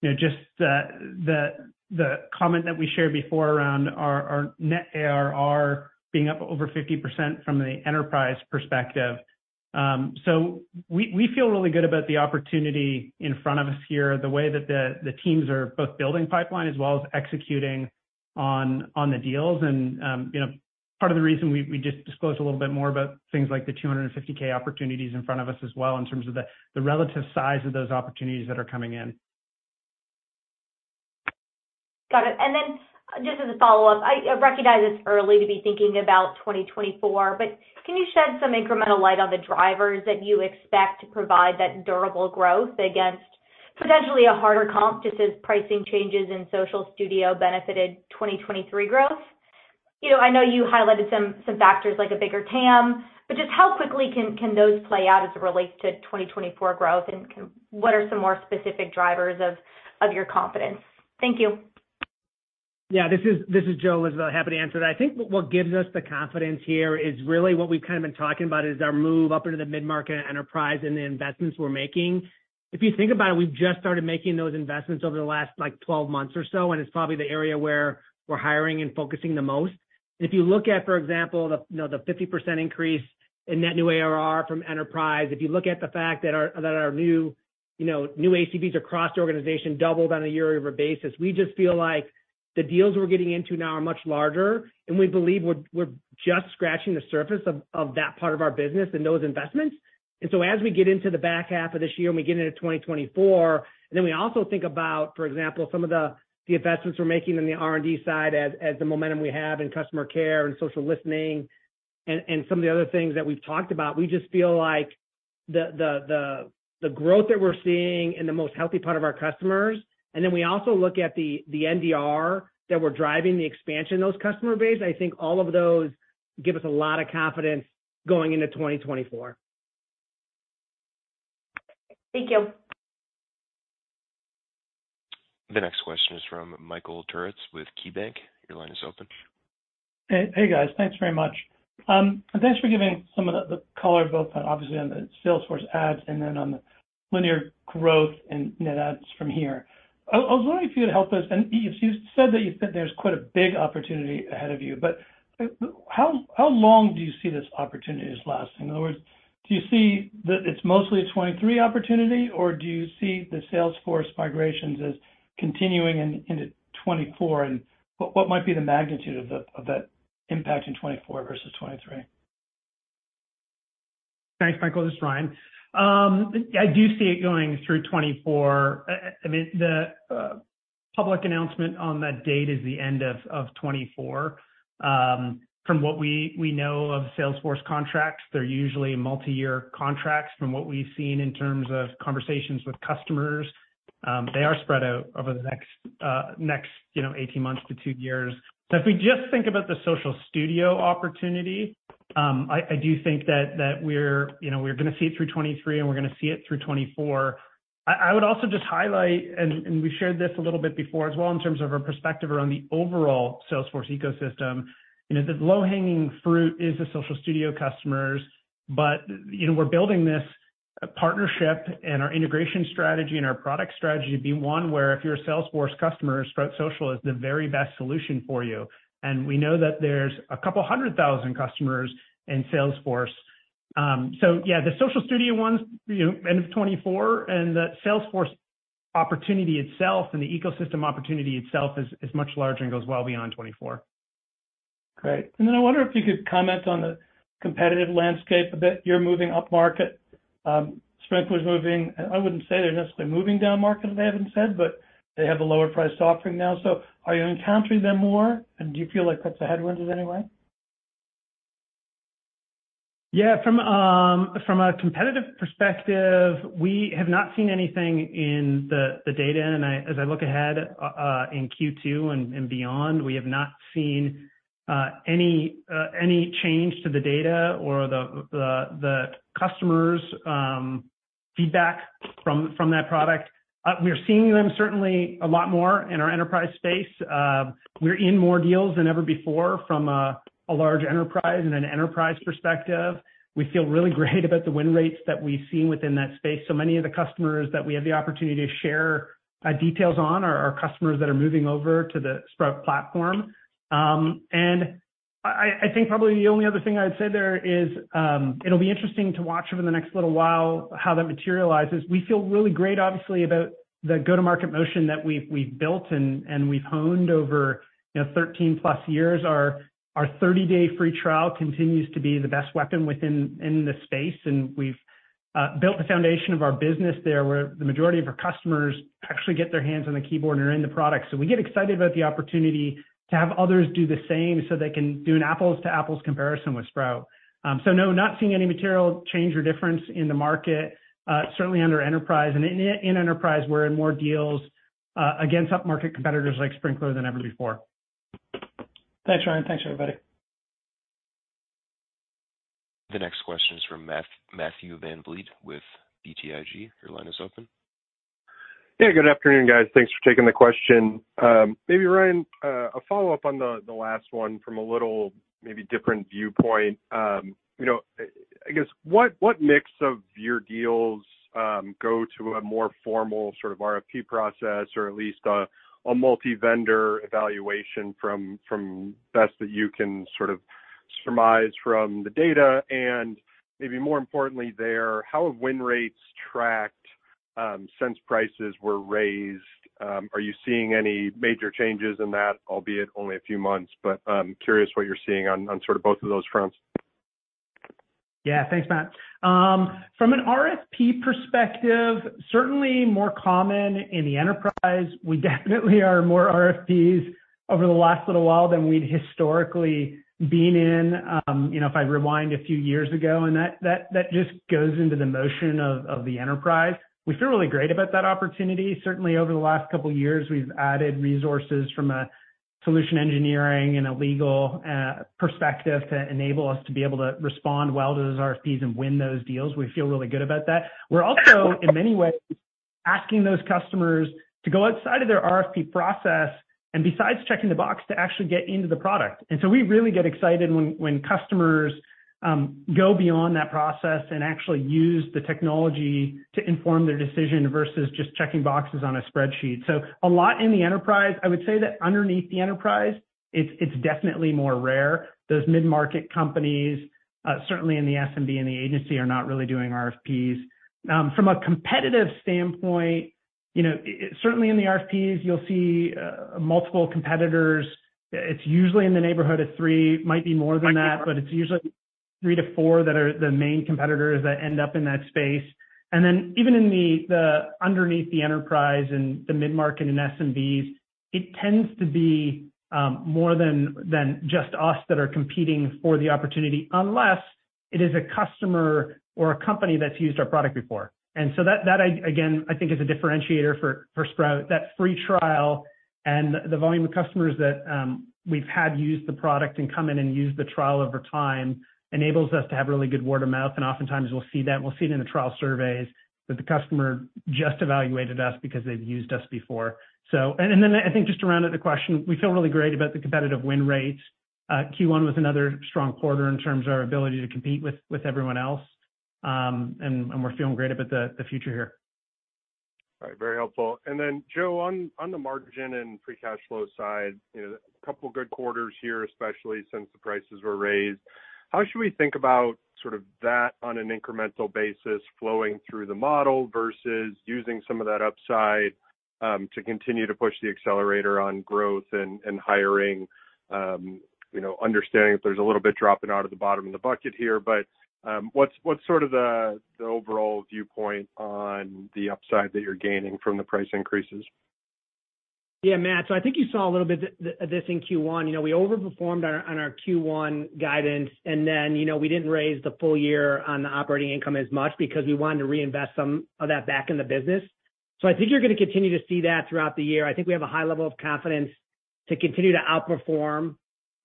you know, just the comment that we shared before around our net ARR being up over 50% from the enterprise perspective. We feel really good about the opportunity in front of us here, the way that the teams are both building pipeline as well as executing on the deals. you know, part of the reason we just disclosed a little bit more about things like the $250,000 opportunities in front of us as well in terms of the relative size of those opportunities that are coming in. Got it. Then just as a follow-up, I recognize it's early to be thinking about 2024, but can you shed some incremental light on the drivers that you expect to provide that durable growth against potentially a harder comp just as pricing changes in Social Studio benefited 2023 growth? You know, I know you highlighted some factors like a bigger TAM, but just how quickly can those play out as it relates to 2024 growth? What are some more specific drivers of your confidence? Thank you. Yeah, this is Joe, Elizabeth. Happy to answer that. I think what gives us the confidence here is really what we've kind of been talking about is our move up into the mid-market enterprise and the investments we're making. If you think about it, we've just started making those investments over the last, like, 12 months or so, and it's probably the area where we're hiring and focusing the most. If you look at, for example, the, you know, the 50% increase in net new ARR from enterprise, if you look at the fact that our, that our new, you know, new ACVs across the organization doubled on a year-over-year basis. We just feel like the deals we're getting into now are much larger, and we believe we're just scratching the surface of that part of our business and those investments. As we get into the back half of this year and we get into 2024, and then we also think about, for example, some of the investments we're making on the R&D side as the momentum we have in customer care and social listening and some of the other things that we've talked about. We just feel like the growth that we're seeing in the most healthy part of our customers, and then we also look at the NDR that we're driving, the expansion of those customer base. I think all of those give us a lot of confidence going into 2024. Thank you. The next question is from Michael Turits with KeyBanc. Your line is open. Hey. Hey, guys. Thanks very much. Thanks for giving some of the color both on, obviously, on the Salesforce ads and then on the linear growth and net adds from here. I was wondering if you could help us, you said that you think there's quite a big opportunity ahead of you, how long do you see this opportunity as lasting? In other words, do you see that it's mostly a 2023 opportunity or do you see the Salesforce migrations as continuing into 2024, what might be the magnitude of that impact in 2024 versus 2023? Thanks, Michael. This is Ryan. I do see it going through 2024. I mean, the public announcement on that date is the end of 2024. From what we know of Salesforce contracts, they're usually multi-year contracts from what we've seen in terms of conversations with customers. They are spread out over the next, you know, 18 months to two years. If we just think about the Social Studio opportunity, I do think that we're, you know, we're gonna see it through 2023, and we're gonna see it through 2024. I would also just highlight, and we shared this a little bit before as well in terms of our perspective around the overall Salesforce ecosystem. You know, the low-hanging fruit is the Social Studio customers, but, you know, we're building this partnership and our integration strategy and our product strategy to be one where if you're a Salesforce customer, Sprout Social is the very best solution for you. We know that there's a couple hundred thousand customers in Salesforce. Yeah, the Social Studio one's, you know, end of 2024, the Salesforce opportunity itself and the ecosystem opportunity itself is much larger and goes well beyond 2024. Great. I wonder if you could comment on the competitive landscape a bit. You're moving upmarket. Sprinklr's moving... I wouldn't say they're necessarily moving downmarket, as Adam said, but they have a lower-priced offering now. Are you encountering them more, and do you feel like that's a headwind in any way? Yeah. From from a competitive perspective, we have not seen anything in the data. As I look ahead in Q2 and beyond, we have not seen any change to the customers Feedback from that product. We're seeing them certainly a lot more in our enterprise space. We're in more deals than ever before from a large enterprise and an enterprise perspective. We feel really great about the win rates that we've seen within that space. So many of the customers that we have the opportunity to share details on are customers that are moving over to the Sprout platform. I think probably the only other thing I'd say there is it'll be interesting to watch over the next little while how that materializes. We feel really great, obviously, about the go-to-market motion that we've built and we've honed over, you know, 13+ years. Our 30-day free trial continues to be the best weapon in the space, and we've built the foundation of our business there, where the majority of our customers actually get their hands on the keyboard and are in the product. We get excited about the opportunity to have others do the same so they can do an apples to apples comparison with Sprout. No, not seeing any material change or difference in the market. Certainly under enterprise and in enterprise, we're in more deals against upmarket competitors like Sprinklr than ever before. Thanks, Ryan. Thanks, everybody. The next question is from Matthew VanVliet with BTIG. Your line is open. Yeah, good afternoon, guys. Thanks for taking the question. Maybe Ryan, a follow-up on the last one from a little maybe different viewpoint. You know, I guess what mix of your deals, go to a more formal sort of RFP process, or at least a multi-vendor evaluation from best that you can sort of surmise from the data? Maybe more importantly there, how have win rates tracked, since prices were raised? Are you seeing any major changes in that, albeit only a few months, but, curious what you're seeing on sort of both of those fronts? Yeah. Thanks, Matt. From an RFP perspective, certainly more common in the enterprise. We definitely are more RFPs over the last little while than we'd historically been in, you know, if I rewind a few years ago, and that just goes into the motion of the enterprise. We feel really great about that opportunity. Certainly over the last couple of years, we've added resources from a solution engineering and a legal perspective to enable us to be able to respond well to those RFPs and win those deals. We feel really good about that. We're also, in many ways, asking those customers to go outside of their RFP process and besides checking the box to actually get into the product. We really get excited when customers go beyond that process and actually use the technology to inform their decision versus just checking boxes on a spreadsheet. A lot in the enterprise. I would say that underneath the enterprise, it's definitely more rare. Those mid-market companies, certainly in the SMB and the agency are not really doing RFPs. From a competitive standpoint, you know, certainly in the RFPs, you'll see multiple competitors. It's usually in the neighborhood of three, might be more than that, but it's usually three-four that are the main competitors that end up in that space. Even in the underneath the enterprise and the mid-market and SMBs, it tends to be more than just us that are competing for the opportunity, unless it is a customer or a company that's used our product before. That again, I think is a differentiator for Sprout. That free trial and the volume of customers that we've had use the product and come in and use the trial over time enables us to have really good word of mouth. Oftentimes we'll see that, we'll see it in the trial surveys that the customer just evaluated us because they've used us before. I think just to round out the question, we feel really great about the competitive win rates. Q1 was another strong quarter in terms of our ability to compete with everyone else. We're feeling great about the future here. All right, very helpful. Then, Joe, on the margin and free cash flow side, you know, a couple of good quarters here, especially since the prices were raised. How should we think about sort of that on an incremental basis flowing through the model versus using some of that upside to continue to push the accelerator on growth and hiring, you know, understanding that there's a little bit dropping out of the bottom of the bucket here. What's sort of the overall viewpoint on the upside that you're gaining from the price increases? Yeah, Matt. I think you saw a little bit this in Q1. We overperformed on our Q1 guidance, we didn't raise the full year on the operating income as much because we wanted to reinvest some of that back in the business. I think you're gonna continue to see that throughout the year. I think we have a high level of confidence to continue to outperform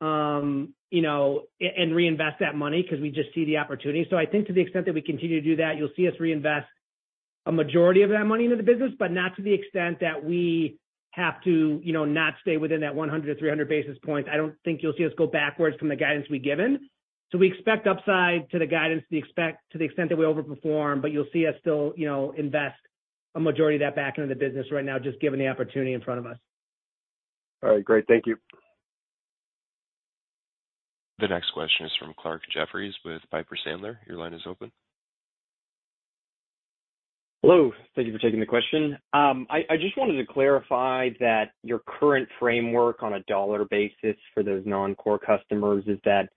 and reinvest that money 'cause we just see the opportunity. I think to the extent that we continue to do that, you'll see us reinvest a majority of that money into the business, but not to the extent that we have to not stay within that 100 to 300 basis points. I don't think you'll see us go backwards from the guidance we've given. We expect upside to the guidance, we expect to the extent that we overperform, but you'll see us still, you know, invest a majority of that back into the business right now, just given the opportunity in front of us. All right, great. Thank you. The next question is from Clarke Jeffries with Piper Sandler. Your line is open. Hello. Thank you for taking the question. I just wanted to clarify that your current framework on a dollar basis for those non-core customers is that,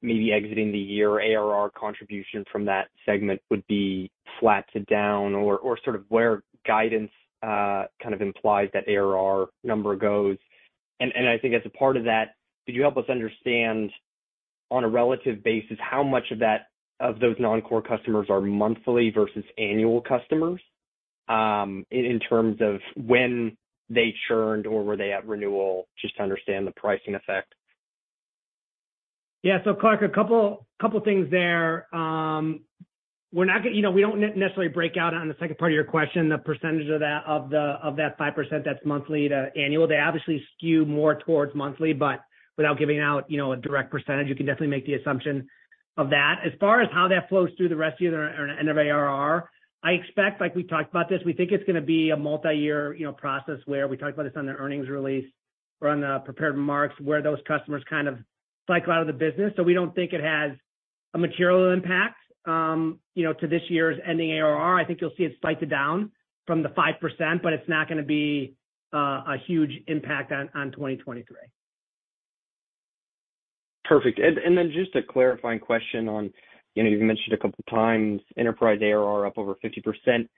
maybe exiting the year ARR contribution from that segment would be flat to down or sort of where guidance, kind of implies that ARR number goes. I think as a part of that, could you help us understand on a relative basis how much of those non-core customers are monthly versus annual customers, in terms of when they churned or were they at renewal, just to understand the pricing effect? Yeah. So Clarke, a couple things there. We don't necessarily break out on the second part of your question, the percentage of that, of the, of that 5% that's monthly to annual. They obviously skew more towards monthly, but without giving out, you know, a direct percentage, you can definitely make the assumption of that. As far as how that flows through the rest of year and end of ARR, I expect, like we talked about this, we think it's gonna be a multi-year, you know, process where we talked about this on the earnings release or on the prepared remarks, where those customers kind of cycle out of the business. We don't think it has a material impact, you know, to this year's ending ARR. I think you'll see it slightly down from the 5%, but it's not gonna be a huge impact on 2023. Perfect. Just a clarifying question on, you know, you've mentioned a couple times enterprise ARR up over 50%.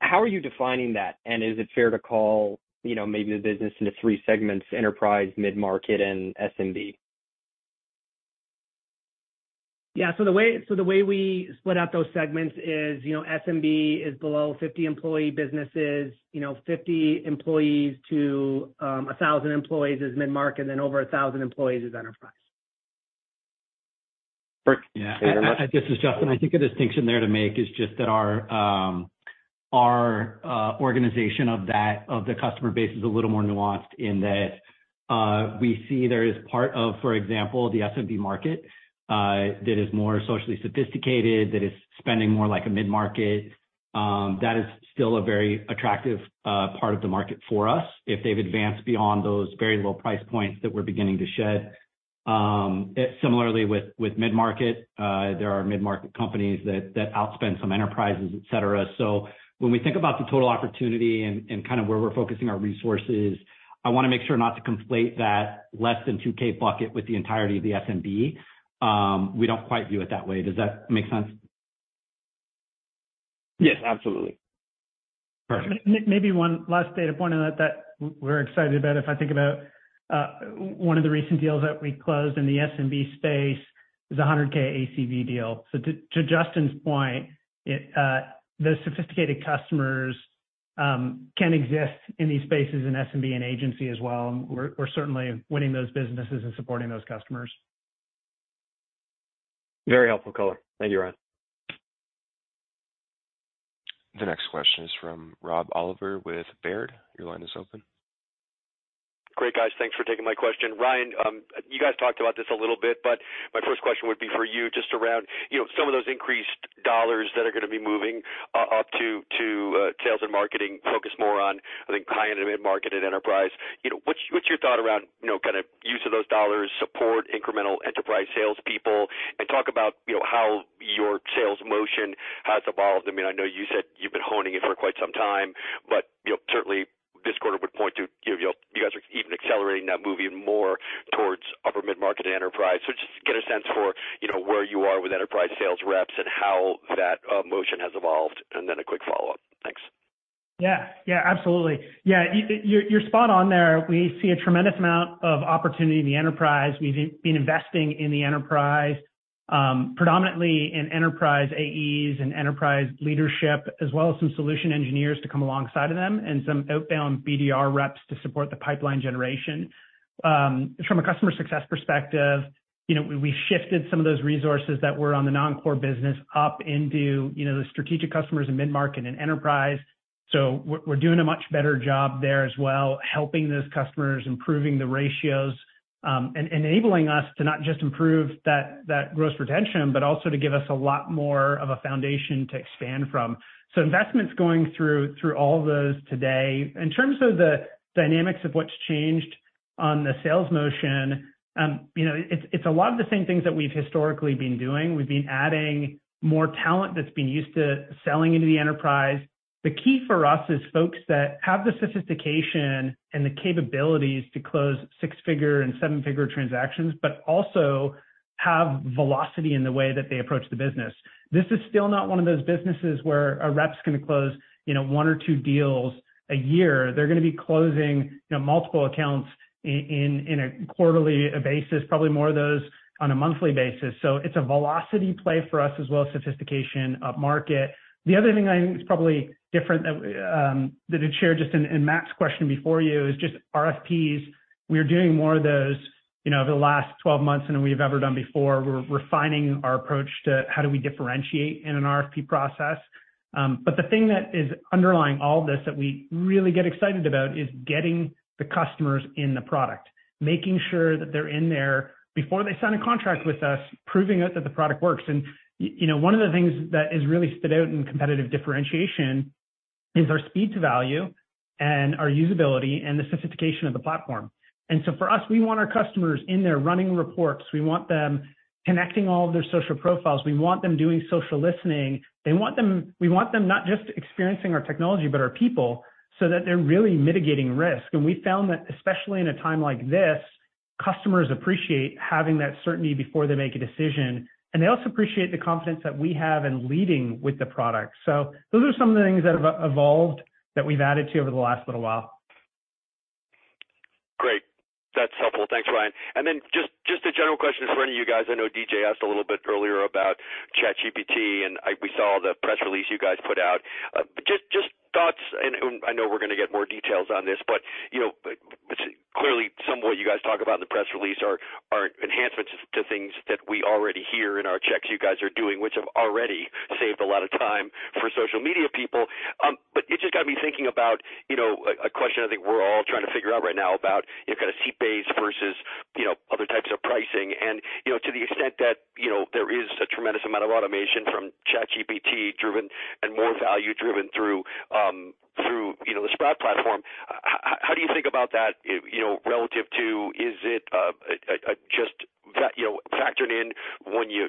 How are you defining that? Is it fair to call, you know, maybe the business into three segments, enterprise, mid-market, and SMB? Yeah. The way we split out those segments is, you know, SMB is below 50 employee businesses. You know, 50 employees to, 1,000 employees is mid-market, and then over 1,000 employees is enterprise. Perfect. Thank you very much. This is Justyn. I think a distinction there to make is just that our organization of that, of the customer base is a little more nuanced in that we see there is part of, for example, the SMB market that is more socially sophisticated, that is spending more like a mid-market. That is still a very attractive part of the market for us if they've advanced beyond those very low price points that we're beginning to shed. Similarly with mid-market, there are mid-market companies that outspend some enterprises, et cetera. When we think about the total opportunity and kind of where we're focusing our resources, I wanna make sure not to conflate that less than $2,000 bucket with the entirety of the SMB. We don't quite view it that way. Does that make sense? Yes, absolutely. Perfect. Maybe one last data point on that that we're excited about, if I think about one of the recent deals that we closed in the SMB space is a $100,000 ACV deal. To Justyn's point, it, those sophisticated customers can exist in these spaces in SMB and agency as well. We're certainly winning those businesses and supporting those customers. Very helpful color. Thank you, Ryan. The next question is from Rob Oliver with Baird. Your line is open. Great, guys. Thanks for taking my question. Ryan, you guys talked about this a little bit, but my first question would be for you just around, you know, some of those increased dollars that are gonna be moving up to sales and marketing focus more on, I think, high-end and mid-market and enterprise. You know, what's your thought around, you know, kinda use of those dollars, support incremental enterprise salespeople? Talk about, you know, how your sales motion has evolved. I mean, I know you said you've been honing it for quite some time, but, you know, certainly this quarter would point to, you know, you guys are even accelerating that move even more towards upper mid-market enterprise. Just get a sense for, you know, where you are with enterprise sales reps and how that motion has evolved, and then a quick follow-up. Thanks. Yeah. Yeah, absolutely. Yeah, you're spot on there. We see a tremendous amount of opportunity in the enterprise. We've been investing in the enterprise, predominantly in enterprise AEs and enterprise leadership, as well as some solution engineers to come alongside of them and some outbound BDR reps to support the pipeline generation. From a customer success perspective, you know, we shifted some of those resources that were on the non-core business up into, you know, the strategic customers in mid-market and enterprise. We're doing much better job there as well, helping those customers, improving the ratios, enabling us to not just improve that gross retention, but also to give us a lot more of a foundation to expand from. Investment's going through all of those today. In terms of the dynamics of what's changed on the sales motion, you know, it's a lot of the same things that we've historically been doing. We've been adding more talent that's been used to selling into the enterprise. The key for us is folks that have the sophistication and the capabilities to close six-figure and seven-figure transactions, but also have velocity in the way that they approach the business. This is still not one of those businesses where a rep's gonna close, you know, one or two deals a year. They're gonna be closing, you know, multiple accounts in a quarterly basis, probably more of those on a monthly basis. It's a velocity play for us as well as sophistication upmarket. The other thing I think is probably different that had shared just in Matt's question before you is just RFPs. We are doing more of those, you know, over the last 12 months than we've ever done before. We're refining our approach to how do we differentiate in an RFP process. The thing that is underlying all this that we really get excited about is getting the customers in the product, making sure that they're in there before they sign a contract with us, proving that the product works. You know, one of the things that has really stood out in competitive differentiation is our speed to value and our usability and the sophistication of the platform. For us, we want our customers in there running reports. We want them connecting all of their social profiles. We want them doing social listening. We want them not just experiencing our technology, but our people, so that they're really mitigating risk. We found that, especially in a time like this, customers appreciate having that certainty before they make a decision. They also appreciate the confidence that we have in leading with the product. Those are some of the things that have evolved that we've added to over the last little while. Great. That's helpful. Thanks, Ryan. Just a general question for any of you guys. I know DJ asked a little bit earlier about ChatGPT, we saw the press release you guys put out. Just thoughts, I know we're gonna get more details on this, but, you know. Clearly, some of what you guys talk about in the press release are enhancements to things that we already hear in our checks you guys are doing, which have already saved a lot of time for social media people. It's just got me thinking about, you know, a question I think we're all trying to figure out right now about, you know, kind of seat-based versus, you know, other types of pricing. You know, to the extent that, you know, there is a tremendous amount of automation from ChatGPT-driven and more value driven through, you know, the Sprout platform, how do you think about that, you know, relative to is it a just, you know, factored in when you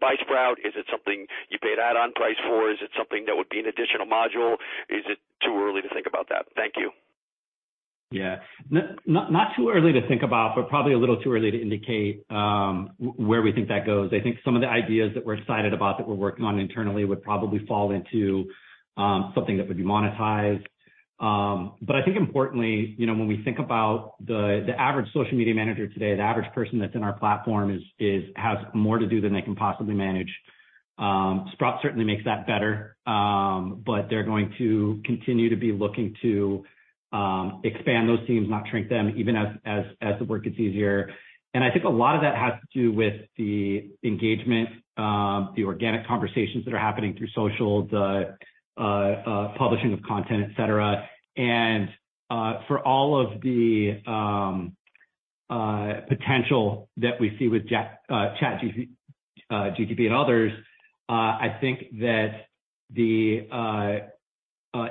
buy Sprout? Is it something you pay an add-on price for? Is it something that would be an additional module? Is it too early to think about that? Thank you. Yeah. Not too early to think about, but probably a little too early to indicate where we think that goes. I think some of the ideas that we're excited about that we're working on internally would probably fall into something that would be monetized. But I think importantly, you know, when we think about the average social media manager today, the average person that's in our platform is has more to do than they can possibly manage. Sprout certainly makes that better, but they're going to continue to be looking to expand those teams, not shrink them, even as the work gets easier. I think a lot of that has to do with the engagement, the organic conversations that are happening through social, the publishing of content, et cetera. For all of the potential that we see with ChatGPT and others, I think that the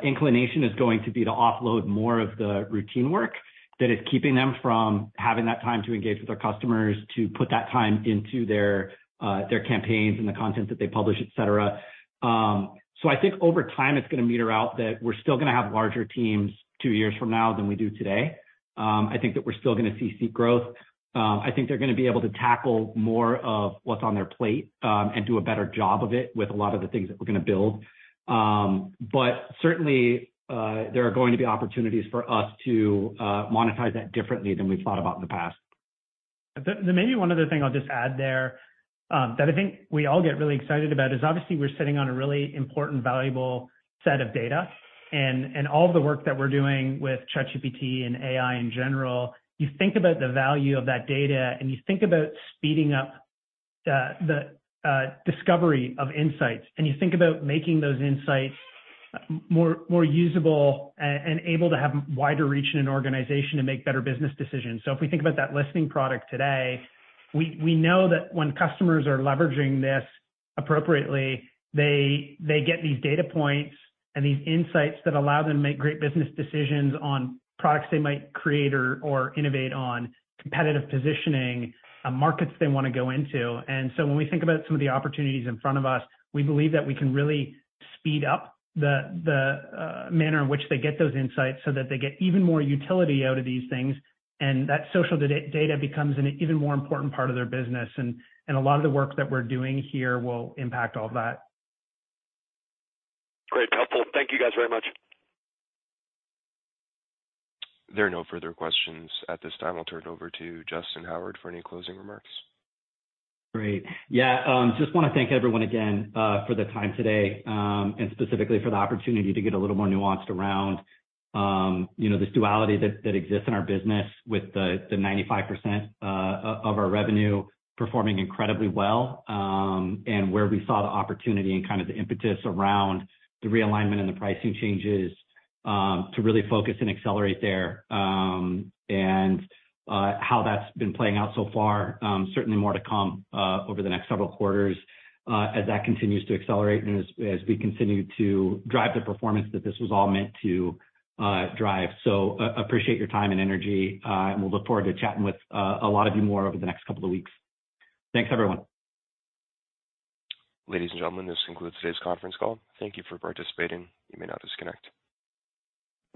inclination is going to be to offload more of the routine work that is keeping them from having that time to engage with their customers, to put that time into their campaigns and the content that they publish, et cetera. I think over time, it's gonna meter out that we're still gonna have larger teams two years from now than we do today. I think that we're still gonna see seat growth. I think they're gonna be able to tackle more of what's on their plate and do a better job of it with a lot of the things that we're gonna build. Certainly, there are going to be opportunities for us to monetize that differently than we've thought about in the past. The maybe one other thing I'll just add there, that I think we all get really excited about is obviously we're sitting on a really important, valuable set of data. All of the work that we're doing with ChatGPT and AI in general, you think about the value of that data, and you think about speeding up the discovery of insights, and you think about making those insights more usable and able to have wider reach in an organization to make better business decisions. If we think about that listening product today, we know that when customers are leveraging this appropriately, they get these data points and these insights that allow them to make great business decisions on products they might create or innovate on, competitive positioning, markets they wanna go into. When we think about some of the opportunities in front of us, we believe that we can really speed up the manner in which they get those insights so that they get even more utility out of these things, and that social data becomes an even more important part of their business. A lot of the work that we're doing here will impact all that. Great. Helpful. Thank you guys very much. There are no further questions at this time. I'll turn it over to Justyn Howard for any closing remarks. Great. Yeah. Just wanna thank everyone again for the time today, and specifically for the opportunity to get a little more nuanced around, you know, this duality that exists in our business with the 95% of our revenue performing incredibly well, and where we saw the opportunity and kind of the impetus around the realignment and the pricing changes, to really focus and accelerate there, and how that's been playing out so far. Certainly more to come over the next several quarters as that continues to accelerate and as we continue to drive the performance that this was all meant to drive. Appreciate your time and energy, and we'll look forward to chatting with a lot of you more over the next couple of weeks. Thanks, everyone. Ladies and gentlemen, this concludes today's conference call. Thank you for participating. You may now disconnect.